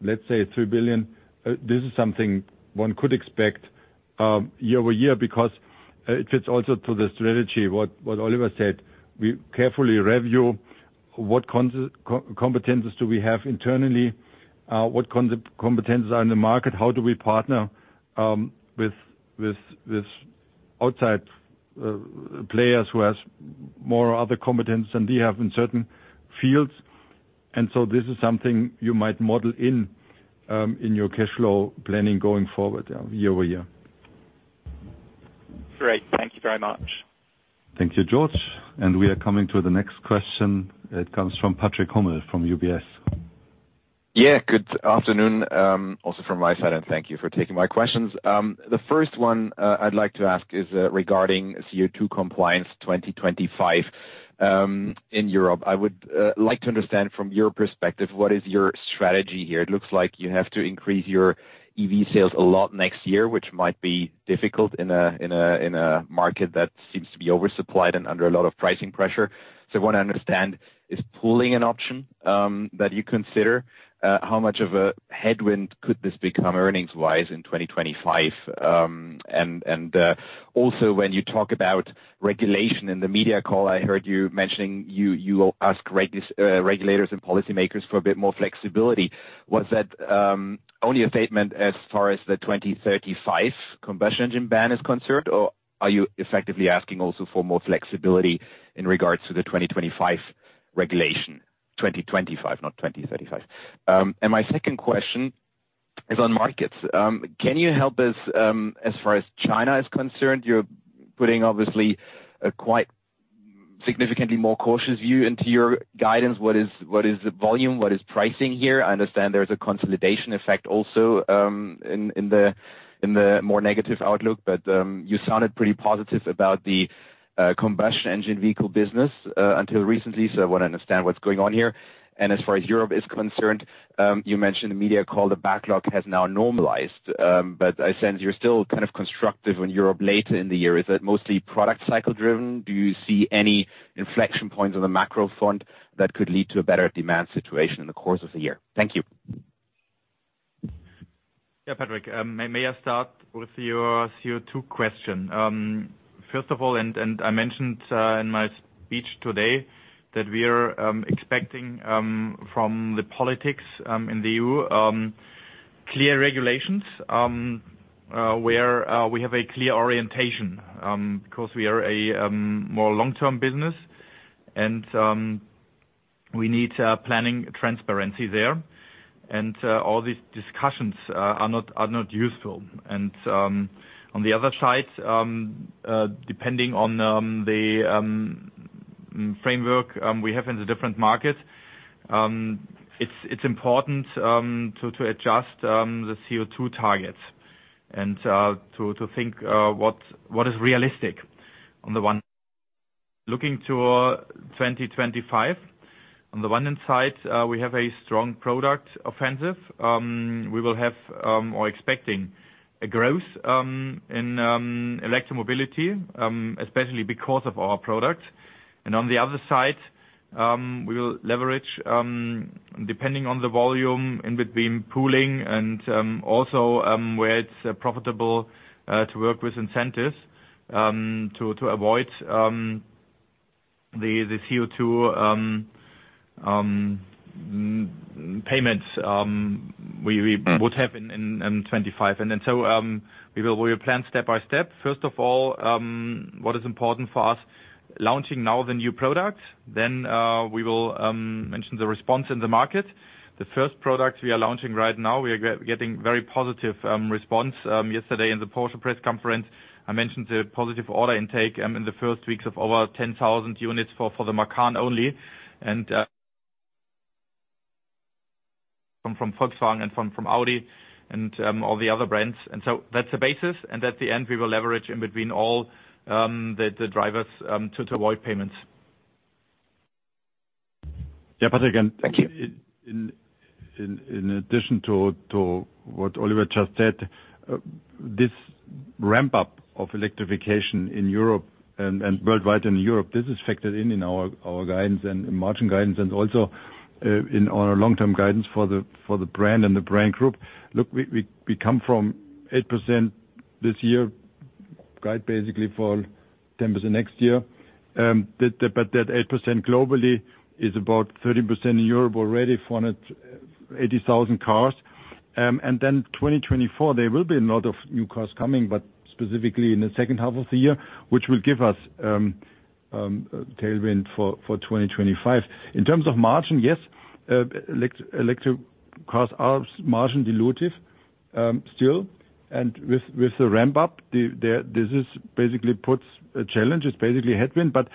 let's say 3 billion, this is something one could expect—year-over-year, because it fits also to the strategy, what Oliver said. We carefully review what competencies do we have internally, what competencies are in the market? How do we partner, with outside players who has more other competence than we have in certain fields? And so this is something you might model in, in your cash flow planning going forward, year-over-year. Great. Thank you very much. Thank you, George. We are coming to the next question. It comes from Patrick Hummel from UBS. Yeah, good afternoon, also from my side, and thank you for taking my questions. The first one, I'd like to ask is, regarding CO2 compliance 2025 in Europe. I would like to understand from your perspective, what is your strategy here? It looks like you have to increase your EV sales a lot next year, which might be difficult in a market that seems to be oversupplied and under a lot of pricing pressure. So I wanna understand, is pooling an option that you consider? How much of a headwind could this become earnings-wise in 2025? Also, when you talk about regulation in the media call, I heard you mentioning you will ask regulators and policymakers for a bit more flexibility. Was that only a statement as far as the 2035 combustion engine ban is concerned, or are you effectively asking also for more flexibility in regards to the 2025 regulation? 2025, not 2035. My second question is on markets. Can you help us, as far as China is concerned, you're putting obviously a quite significantly more cautious view into your guidance. What is the volume? What is pricing here? I understand there's a consolidation effect also in the more negative outlook. But you sounded pretty positive about the combustion engine vehicle business until recently, so I wanna understand what's going on here. As far as Europe is concerned, you mentioned the media call, the backlog has now normalized, but I sense you're still kind of constructive in Europe later in the year. Is it mostly product cycle driven? Do you see any inflection points on the macro front that could lead to a better demand situation in the course of the year? Thank you. Yeah, Patrick, may I start with your CO2 question? First of all, I mentioned in my speech today that we are expecting from the politics in the EU clear regulations where we have a clear orientation because we are a more long-term business, and we need planning transparency there. All these discussions are not useful. On the other side, depending on the framework we have in the different markets, it's important to adjust the CO2 targets and to think what is realistic. Looking to 2025, on the one hand side, we have a strong product offensive. We will have or expecting a growth in electromobility, especially because of our product. And on the other side, we will leverage, depending on the volume in between pooling and also where it's profitable to work with incentives to avoid the CO2 payments we would have in 2025. And then so we will plan step by step. First of all, what is important for us, launching now the new product, then we will mention the response in the market. The first product we are launching right now, we are getting very positive response. Yesterday in the Porsche press conference, I mentioned the positive order intake in the first weeks of over 10,000 units for the Macan only. From Volkswagen and from Audi and all the other brands. So that's the basis, and at the end we will leverage in between all the drivers to avoid payments. Yeah, Patrick, and— Thank you. In addition to what Oliver just said, this ramp up of electrification in Europe and worldwide in Europe, this is factored in our guidance and margin guidance and also in our long-term guidance for the brand and the brand group. Look, we come from 8% this year, guide basically for 10% next year. But that 8% globally is about 13% in Europe already, 480,000 cars. And then 2024, there will be a lot of new cars coming, but specifically in the second half of the year, which will give us tailwind for 2025. In terms of margin, yes, electric cars are margin dilutive still, and with the ramp up, this basically puts a challenge. It's basically a headwind. But,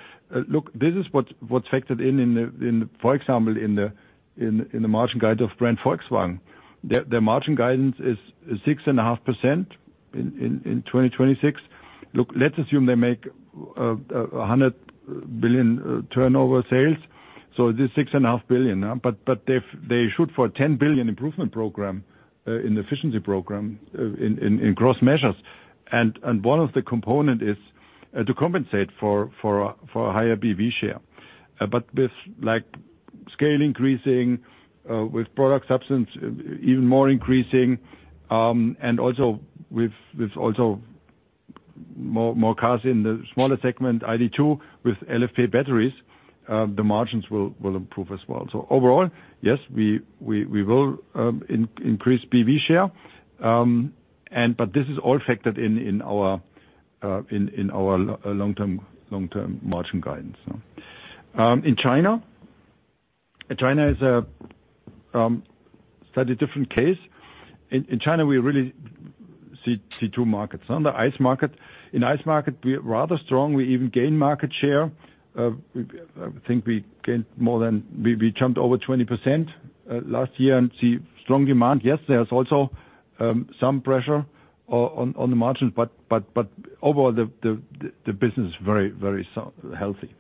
look, this is what's factored in, in the—for example, in the margin guide of Brand Volkswagen. Their margin guidance is 6.5% in 2026. Look, let's assume they make 100 billion turnover sales, so it is 6.5 billion, but they shoot for a 10 billion improvement program in efficiency program in gross measures. And one of the component is to compensate for a higher BEV share. But with scale increasing, with product substance, even more increasing, and also with more cars in the smaller segment, ID.2, with LFP batteries, the margins will improve as well. So overall, yes, we will increase BEV share, and but this is all factored in our long-term margin guidance, no? In China, China is a slightly different case. In China, we really see two markets, on the ICE market. In ICE market, we are rather strong. We even gain market share. I think we jumped over 20% last year and see strong demand. Yes, there is also some pressure on the margins, but overall, the business is very healthy.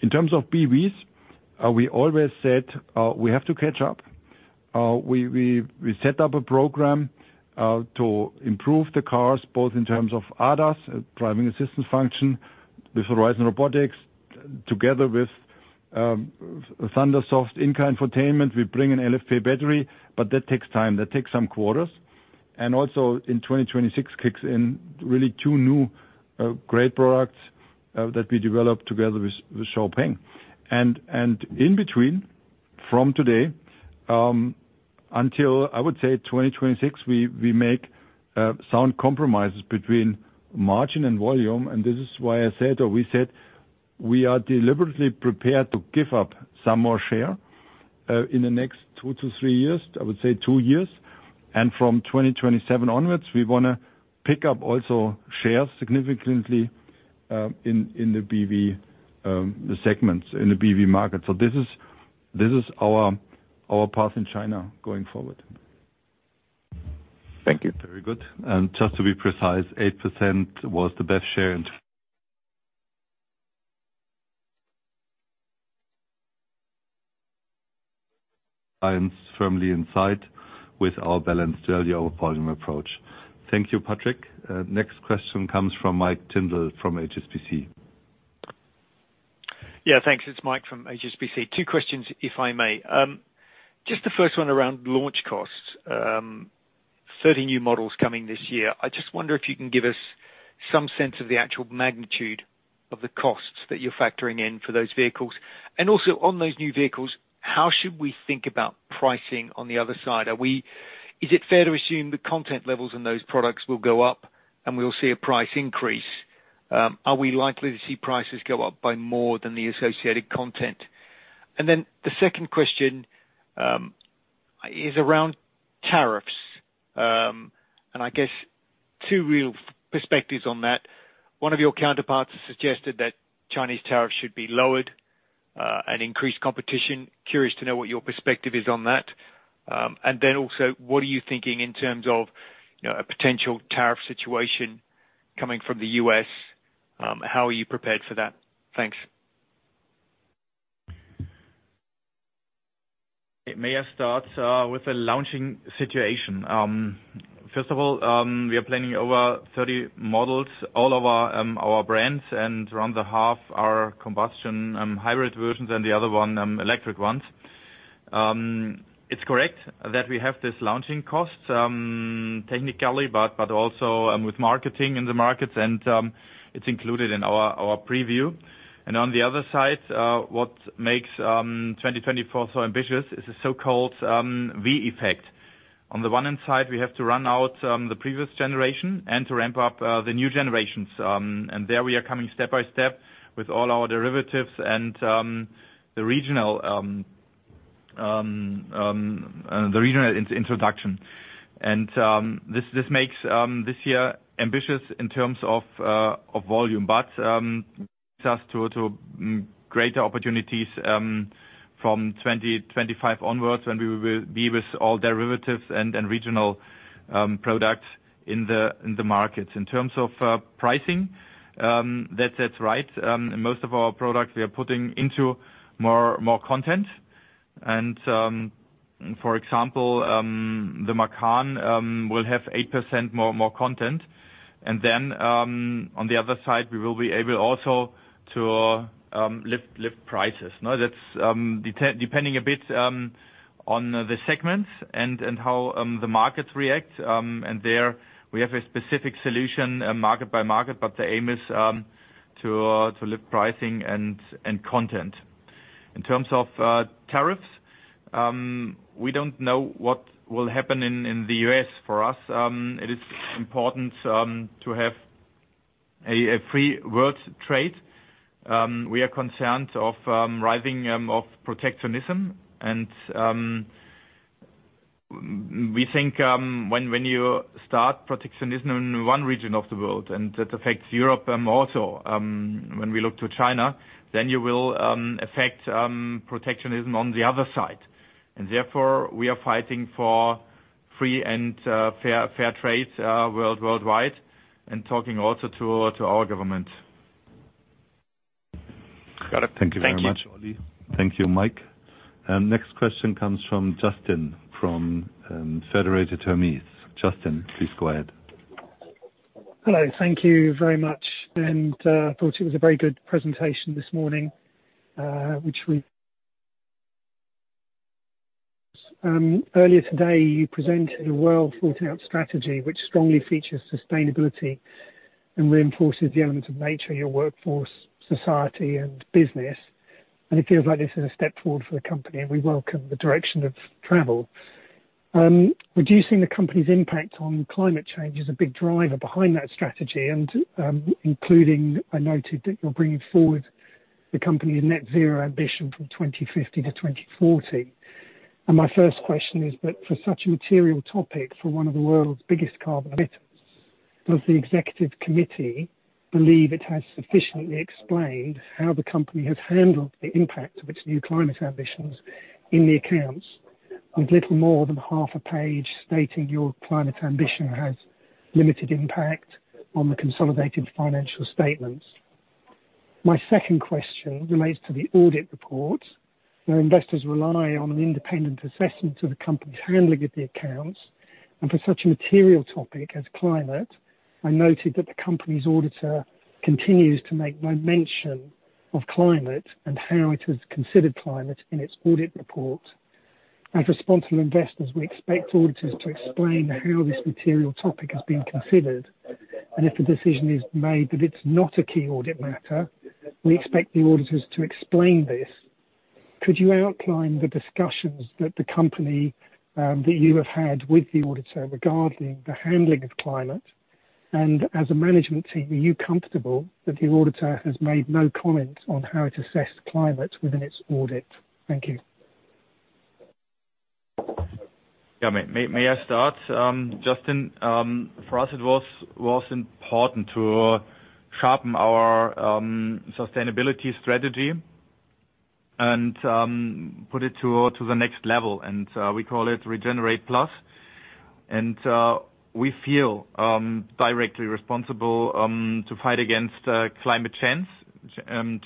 In terms of BEVs, we always said, we have to catch up. We set up a program to improve the cars, both in terms of ADAS, driving assistance function, with Horizon Robotics, together with ThunderSoft in-car infotainment. We bring an LFP battery, but that takes time, that takes some quarters. And also in 2026 kicks in really two new great products that we developed together with XPeng. And in between, from today until I would say 2026, we make sound compromises between margin and volume, and this is why I said or we said, we are deliberately prepared to give up some more share in the next two to three years, I would say two years. And from 2027 onwards, we want to pick up also shares significantly in the BEV segments, in the BEV market. So this is our path in China going forward. Thank you. Very good. And just to be precise, 8% was the BEV share firmly in sight with our balanced earlier volume approach. Thank you, Patrick. Next question comes from Mike Tyndall, from HSBC. Yeah, thanks. It's Mike from HSBC. Two questions, if I may. Just the first one around launch costs. 30 new models coming this year. I just wonder if you can give us some sense of the actual magnitude of the costs that you're factoring in for those vehicles? And also on those new vehicles, how should we think about pricing on the other side? Is it fair to assume the content levels in those products will go up, and we'll see a price increase? Are we likely to see prices go up by more than the associated content? And then the second question is around tariffs. And I guess two real perspectives on that. One of your counterparts has suggested that Chinese tariffs should be lowered, and increase competition. Curious to know what your perspective is on that. And then also, what are you thinking in terms of, you know, a potential tariff situation coming from the U.S.? How are you prepared for that? Thanks. It may have started with the launching situation. First of all, we are planning over 30 models, all of our brands, and around the half are combustion hybrid versions, and the other one electric ones. It's correct that we have this launching cost technically, but also with marketing in the markets, and it's included in our preview. On the other side, what makes 2024 so ambitious is the so-called V-effect. On the one hand side, we have to run out the previous generation and to ramp up the new generations. And there we are coming step by step with all our derivatives and the regional introduction. This makes this year ambitious in terms of volume, but just to greater opportunities from 2025 onwards, when we will be with all derivatives and regional products in the markets. In terms of pricing, that's right. Most of our products, we are putting into more content. And, for example, the Macan will have 8% more content. And then, on the other side, we will be able also to lift prices. Now, that's depending a bit on the segments and how the markets react, and there we have a specific solution, a market by market, but the aim is to lift pricing and content. In terms of tariffs, we don't know what will happen in the US. For us, it is important to have a free world trade. We are concerned of rising of protectionism, and we think, when you start protectionism in one region of the world, and that affects Europe, also, when we look to China, then you will affect protectionism on the other side. And therefore, we are fighting for free and fair, fair trade, worldwide, and talking also to our government. Got it. Thank you very much. Thank you, Mike. Next question comes from Justin from Federated Hermes. Justin, please go ahead. Hello, thank you very much. And I thought it was a very good presentation this morning, earlier today, you presented a well-thought-out strategy which strongly features sustainability and reinforces the elements of nature, your workforce, society, and business, and it feels like this is a step forward for the company, and we welcome the direction of travel. Reducing the company's impact on climate change is a big driver behind that strategy, and including, I noted that you're bringing forward the company's net zero ambition from 2050 to 2040. My first question is, but for such a material topic for one of the world's biggest carbon emitters, does the executive committee believe it has sufficiently explained how the company has handled the impact of its new climate ambitions in the accounts, with little more than half a page stating your climate ambition has limited impact on the consolidated financial statements? My second question relates to the audit report, where investors rely on an independent assessment of the company's handling of the accounts. For such a material topic as climate, I noted that the company's auditor continues to make no mention of climate and how it has considered climate in its audit report. As responsible investors, we expect auditors to explain how this material topic has been considered, and if a decision is made that it's not a key audit matter, we expect the auditors to explain this. Could you outline the discussions that the company, that you have had with the auditor regarding the handling of climate? And as a management team, are you comfortable that the auditor has made no comment on how it assessed climate within its audit? Thank you. Yeah. May I start? Justin, for us, it was important to sharpen our sustainability strategy and put it to the next level, and we call it Regenerate+. And we feel directly responsible to fight against climate change. And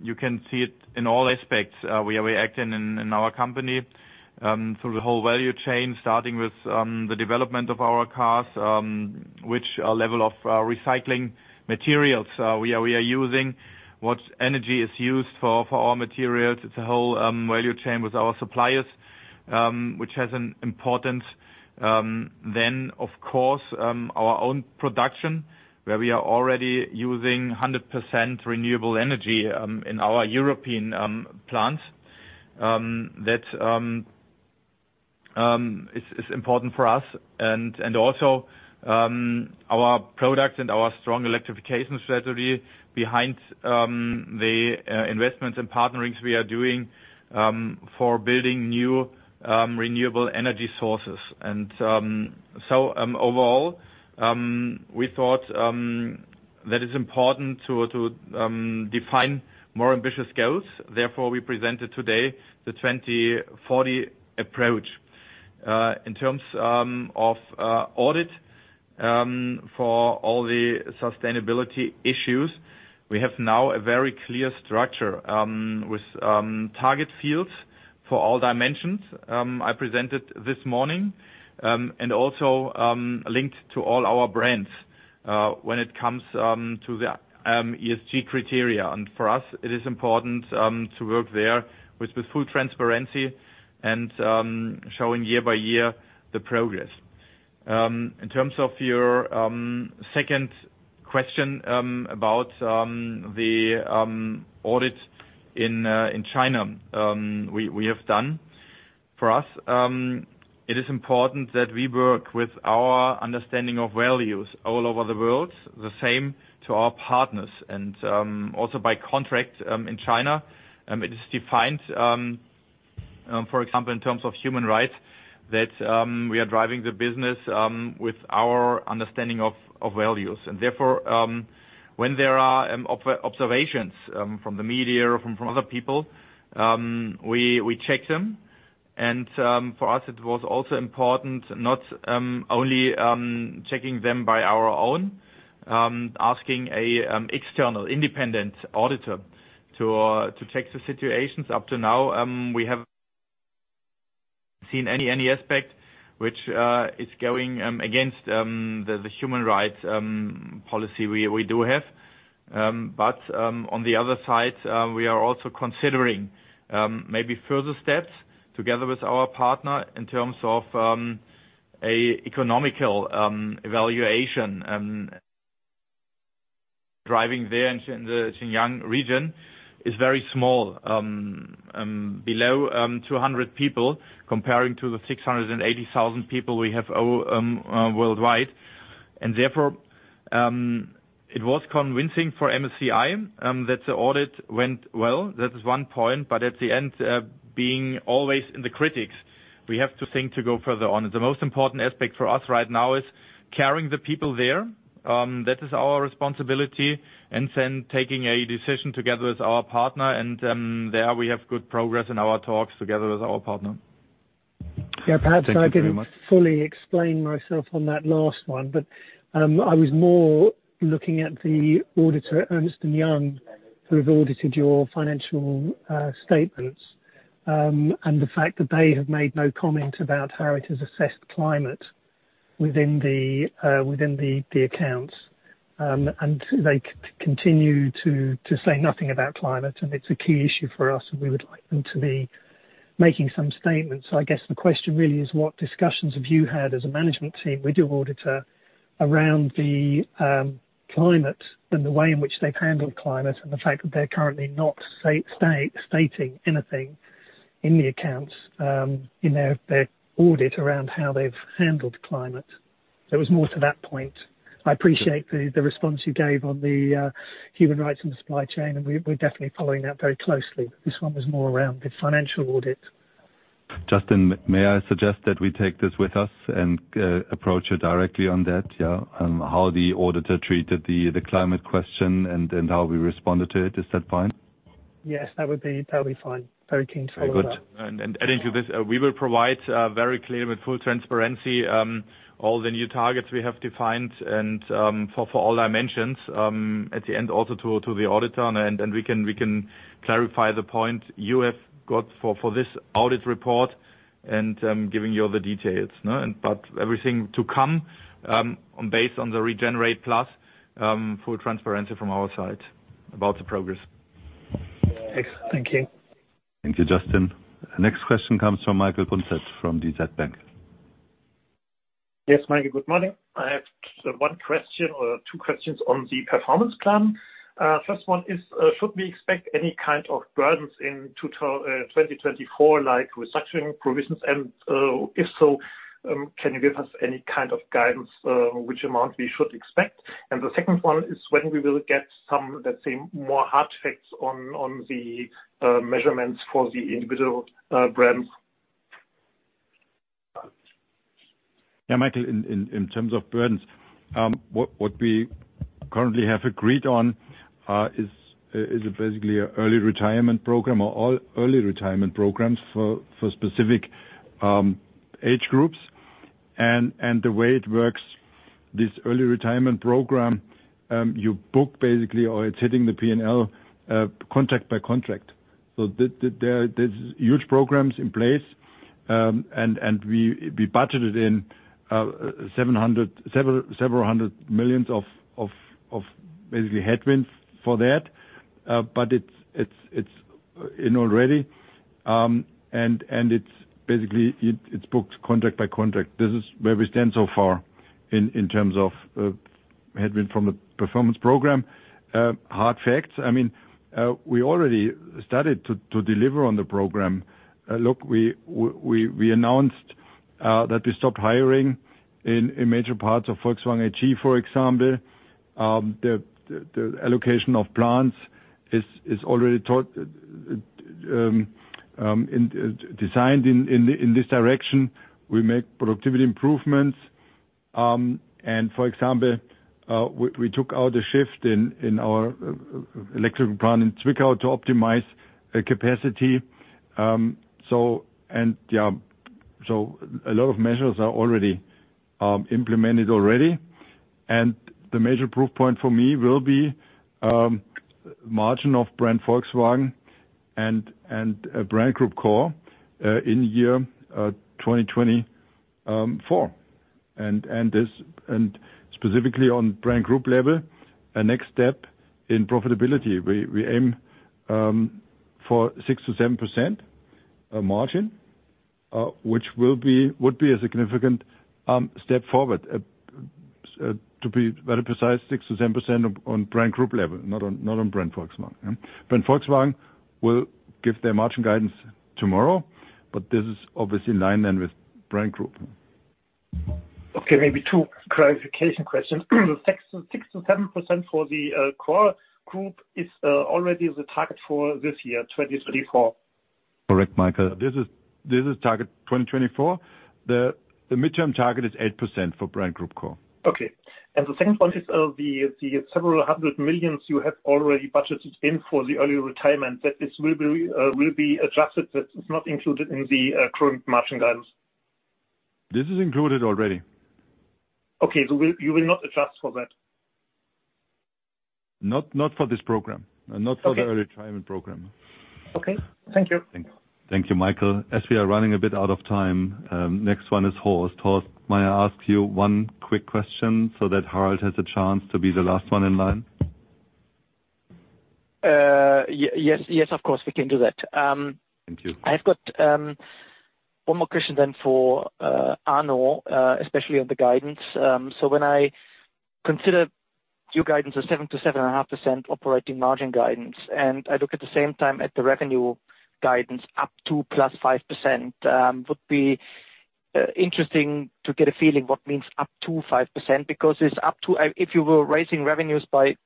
you can see it in all aspects where we act in our company through the whole value chain, starting with the development of our cars, which level of recycling materials we are using, what energy is used for our materials. It's a whole value chain with our suppliers which has an importance. Then, of course, our own production, where we are already using 100% renewable energy in our European plants. That's important for us and also our products and our strong electrification strategy behind the investments and partnerings we are doing for building new renewable energy sources. So overall we thought that it's important to define more ambitious goals. Therefore, we presented today the 2040 approach. In terms of audit for all the sustainability issues, we have now a very clear structure with target fields for all dimensions I presented this morning and also linked to all our brands when it comes to the ESG criteria. For us, it is important to work there with full transparency and showing year by year the progress. In terms of your second question about the audit in China, we have done. For us, it is important that we work with our understanding of values all over the world, the same to our partners, and also by contract in China, it is defined, for example, in terms of human rights, that we are driving the business with our understanding of values. Therefore, when there are observations from the media or from other people, we check them. For us, it was also important not only checking them by our own, asking an external, independent auditor to check the situations. Up to now, we have not seen any aspect which is going against the human rights policy we do have. But on the other side, we are also considering maybe further steps together with our partner in terms of a economical evaluation and driving there in the Xinjiang region is very small, below 200 people, comparing to the 680,000 people we have overall worldwide. And therefore, it was convincing for MSCI that the audit went well. That is one point, but at the end, being always in the critics, we have to think to go further on. The most important aspect for us right now is caring for the people there. That is our responsibility, and then taking a decision together with our partner, and there we have good progress in our talks together with our partner. Yeah, perhaps— Thank you very much. I didn't fully explain myself on that last one, but I was more looking at the auditor, Ernst & Young, who have audited your financial statements, and the fact that they have made no comment about how it has assessed climate within the accounts. And they continue to say nothing about climate, and it's a key issue for us, and we would like them to be making some statements. So I guess the question really is, what discussions have you had as a management team with your auditor around the climate and the way in which they've handled climate, and the fact that they're currently not stating anything in the accounts, in their audit around how they've handled climate? There was more to that point. I appreciate the response you gave on the human rights and supply chain, and we're definitely following that very closely. This one was more around the financial audit. Justin, may I suggest that we take this with us and approach you directly on that, yeah? How the auditor treated the climate question, and how we responded to it. Is that fine? Yes, that would be—that'd be fine. Very keen to fall of that. Very good. Adding to this, we will provide very clear, with full transparency, all the new targets we have defined and for all dimensions at the end, also to the auditor. We can clarify the point you have got for this audit report, and giving you all the details, no? But everything to come on based on the Regenerate+, full transparency from our side about the progress. Thanks. Thank you. Thank you, Justin. Next question comes from Michael Punzet from DZ Bank. Yes, Michael, good morning. I have one question or two questions on the performance plan. First one is, should we expect any kind of burdens in 2024, like with structuring provisions? And, if so, can you give us any kind of guidance, which amount we should expect? And the second one is when we will get some, let's say, more hard facts on the measurements for the individual brands. Yeah, Michael, in terms of burdens, what we currently have agreed on is basically a early retirement program or all early retirement programs for specific age groups. And the way it works, this early retirement program, you book basically, or it's hitting the P&L, contract by contract. So there are huge programs in place, and we budgeted in several hundred million EUR of basically headwinds for that. But it's in already, and it's basically booked contract by contract. This is where we stand so far in terms of headwind from the performance program. Hard facts, I mean, we already started to deliver on the program. Look, we announced that we stopped hiring in major parts of Volkswagen AG, for example. The allocation of plants is already taut, designed in this direction. We make productivity improvements. And for example, we took out a shift in our electrical plant in Zwickau to optimize the capacity. So a lot of measures are already implemented already. The major proof point for me will be margin of Brand Volkswagen and Brand Group Core in year 2024. And this, and specifically on Brand Group level, a next step in profitability. We aim for 6% to 7% margin, which will be, would be a significant step forward. To be very precise, 6% to 10% on Brand Group level, not on Brand Volkswagen. Brand Volkswagen will give their margin guidance tomorrow, but this is obviously in line then with Brand Group. Okay, maybe two clarification questions. 6% to 7% for the core group is already the target for this year, 2024? Correct, Michael. This is target 2024. The midterm target is 8% for Brand Group Core. Okay. And the second one is, the several hundred million EUR you have already budgeted in for the early retirement, that this will be, will be adjusted, that it's not included in the, current margin guidance. This is included already. Okay, so you will not adjust for that? Not, not for this program, not for the— Okay. Early retirement program. Okay. Thank you. Thanks. Thank you, Michael. As we are running a bit out of time, next one is Horst. Horst, may I ask you one quick question so that Harald has a chance to be the last one in line? Yes, yes, of course, we can do that. Thank you. I've got one more question then for Arno, especially on the guidance. So when I consider your guidance of 7% to 7.5% operating margin guidance, and I look at the same time at the revenue guidance, up to +5%, would be interesting to get a feeling what means up to 5%. Because it's up to—if you were raising revenues by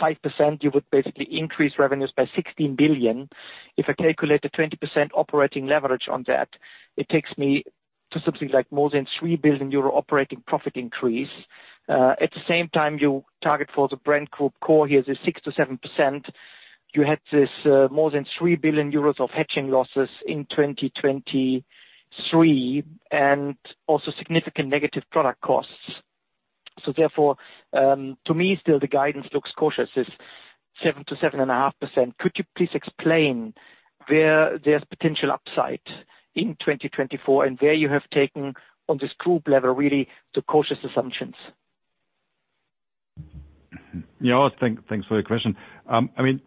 5%, you would basically increase revenues by 16 billion. If I calculate the 20% operating leverage on that, it takes me to something like more than 3 billion euro operating profit increase. At the same time, you target for the Brand Group Core here, the 6% to 7%. You had this more than 3 billion euros of hedging losses in 2023, and also significant negative product costs. So therefore, to me, still the guidance looks cautious, this 7% to 7.5%. Could you please explain where there's potential upside in 2024, and where you have taken, on this group level, really, the cautious assumptions? Yeah, thanks for your question. I mean,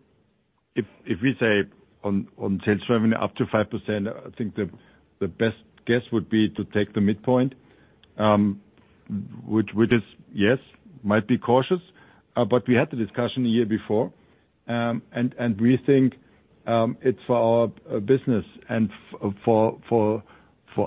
if we say on sales revenue, up to 5%, I think the best guess would be to take the midpoint, which is, yes, might be cautious. But we had the discussion the year before. And we think it's for our business and for, for,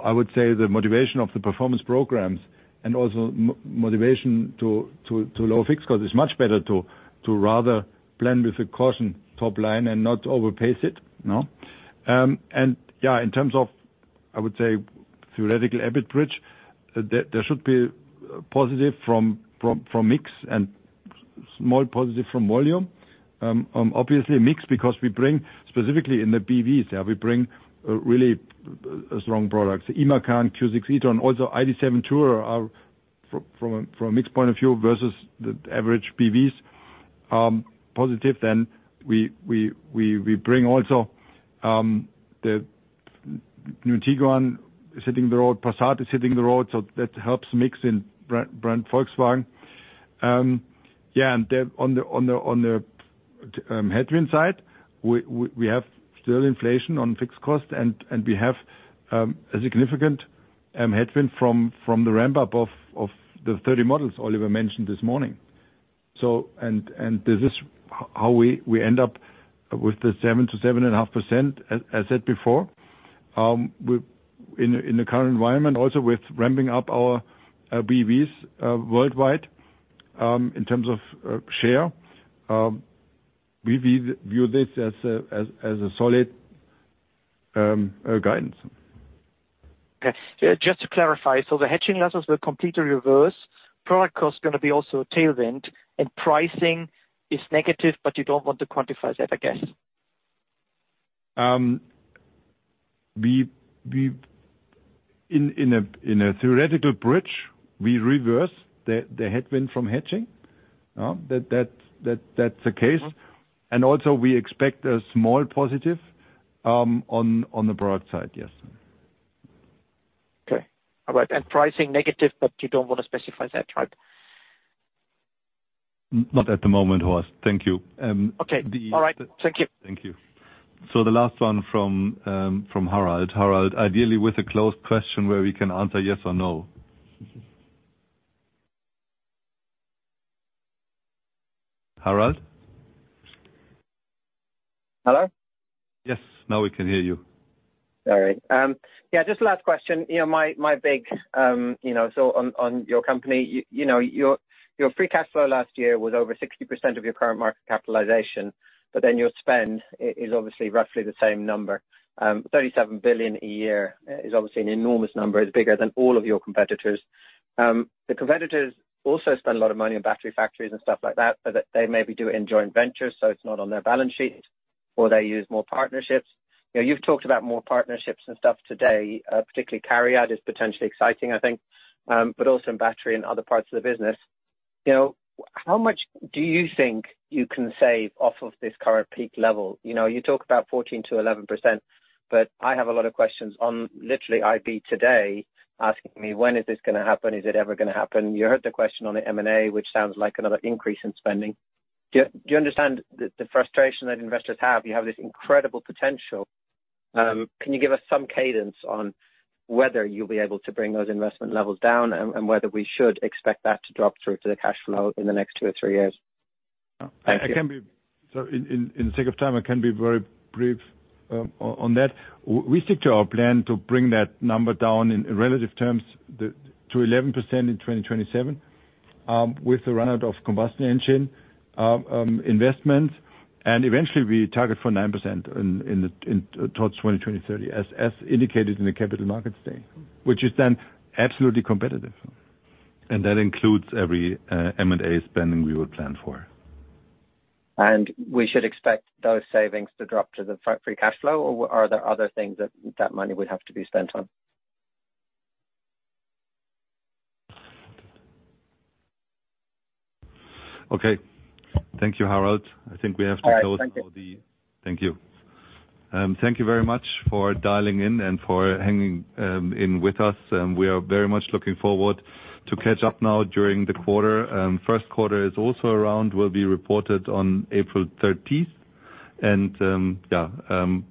I would say, the motivation of the performance programs and also motivation to lower fixed costs. It's much better to rather plan with a caution top line and not overpace it, no? And yeah, in terms of, I would say, theoretical EBIT bridge, there should be positive from mix and small positive from volume. Obviously a mix because we bring specifically in the BEVs, yeah, we bring really strong products, the Macan and Q6 e-tron, also ID.7 Tourer from a, from a mix point of view versus the average BEVs, positive. Then we bring also the new Tiguan hitting the road, Passat is hitting the road, so that helps mix in Brand Volkswagen. Yeah, and then on the headwind side, we have still inflation on fixed costs, and we have a significant headwind from the ramp-up of the ID.3 models Oliver mentioned this morning. So, and this is how we end up with the 7% to 7.5%, as said before. In the current environment, also with ramping up our BEVs worldwide, in terms of share, we view this as a solid guidance. Okay. Just to clarify, so the hedging losses will completely reverse, product cost is gonna be also a tailwind, and pricing is negative, but you don't want to quantify that, I guess? In a theoretical bridge, we reverse the headwind from hedging, that's the case. And also, we expect a small positive on the product side, yes. Okay. All right, and pricing negative, but you don't want to specify that, right? Not at the moment, Horst. Thank you— Okay. All right. Thank you. Thank you. The last one from Harald. Harald, ideally with a closed question where we can answer yes or no. Harald? Hello? Yes, now we can hear you. Sorry. Yeah, just a last question. You know, my big, you know, so on, on your company, you know, your free cash flow last year was over 60% of your current market capitalization, but then your spend is obviously roughly the same number. 37 billion a year is obviously an enormous number. It's bigger than all of your competitors. The competitors also spend a lot of money on battery factories and stuff like that, but they maybe do it in joint ventures, so it's not on their balance sheet, or they use more partnerships. You know, you've talked about more partnerships and stuff today, particularly CARIAD is potentially exciting, I think, but also in battery and other parts of the business. You know, how much do you think you can save off of this current peak level? You know, you talk about 14%-11%, but I have a lot of questions on literally IPO today, asking me, "When is this gonna happen? Is it ever gonna happen?" You heard the question on the M&A, which sounds like another increase in spending. Do you, do you understand the, the frustration that investors have? You have this incredible potential. Can you give us some cadence on whether you'll be able to bring those investment levels down, and, and whether we should expect that to drop through to the cash flow in the next two or three years? I can be— Thank you. So for the sake of time, I can be very brief on that. We stick to our plan to bring that number down in relative terms to 11% in 2027, with the run out of combustion engine investment. And eventually, we target for 9% in towards 2030, as indicated in the Capital Markets Day, which is then absolutely competitive. That includes every M&A spending we would plan for. We should expect those savings to drop to the free cash flow, or are there other things that that money would have to be spent on? Okay. Thank you, Harald. I think we have to close— All right. Thank you. Thank you. Thank you very much for dialing in and for hanging in with us, and we are very much looking forward to catch up now during the quarter. First quarter is also around, will be reported on April 30th. And, yeah,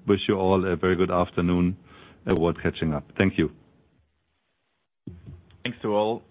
wish you all a very good afternoon and we're catching up. Thank you. Thanks to all.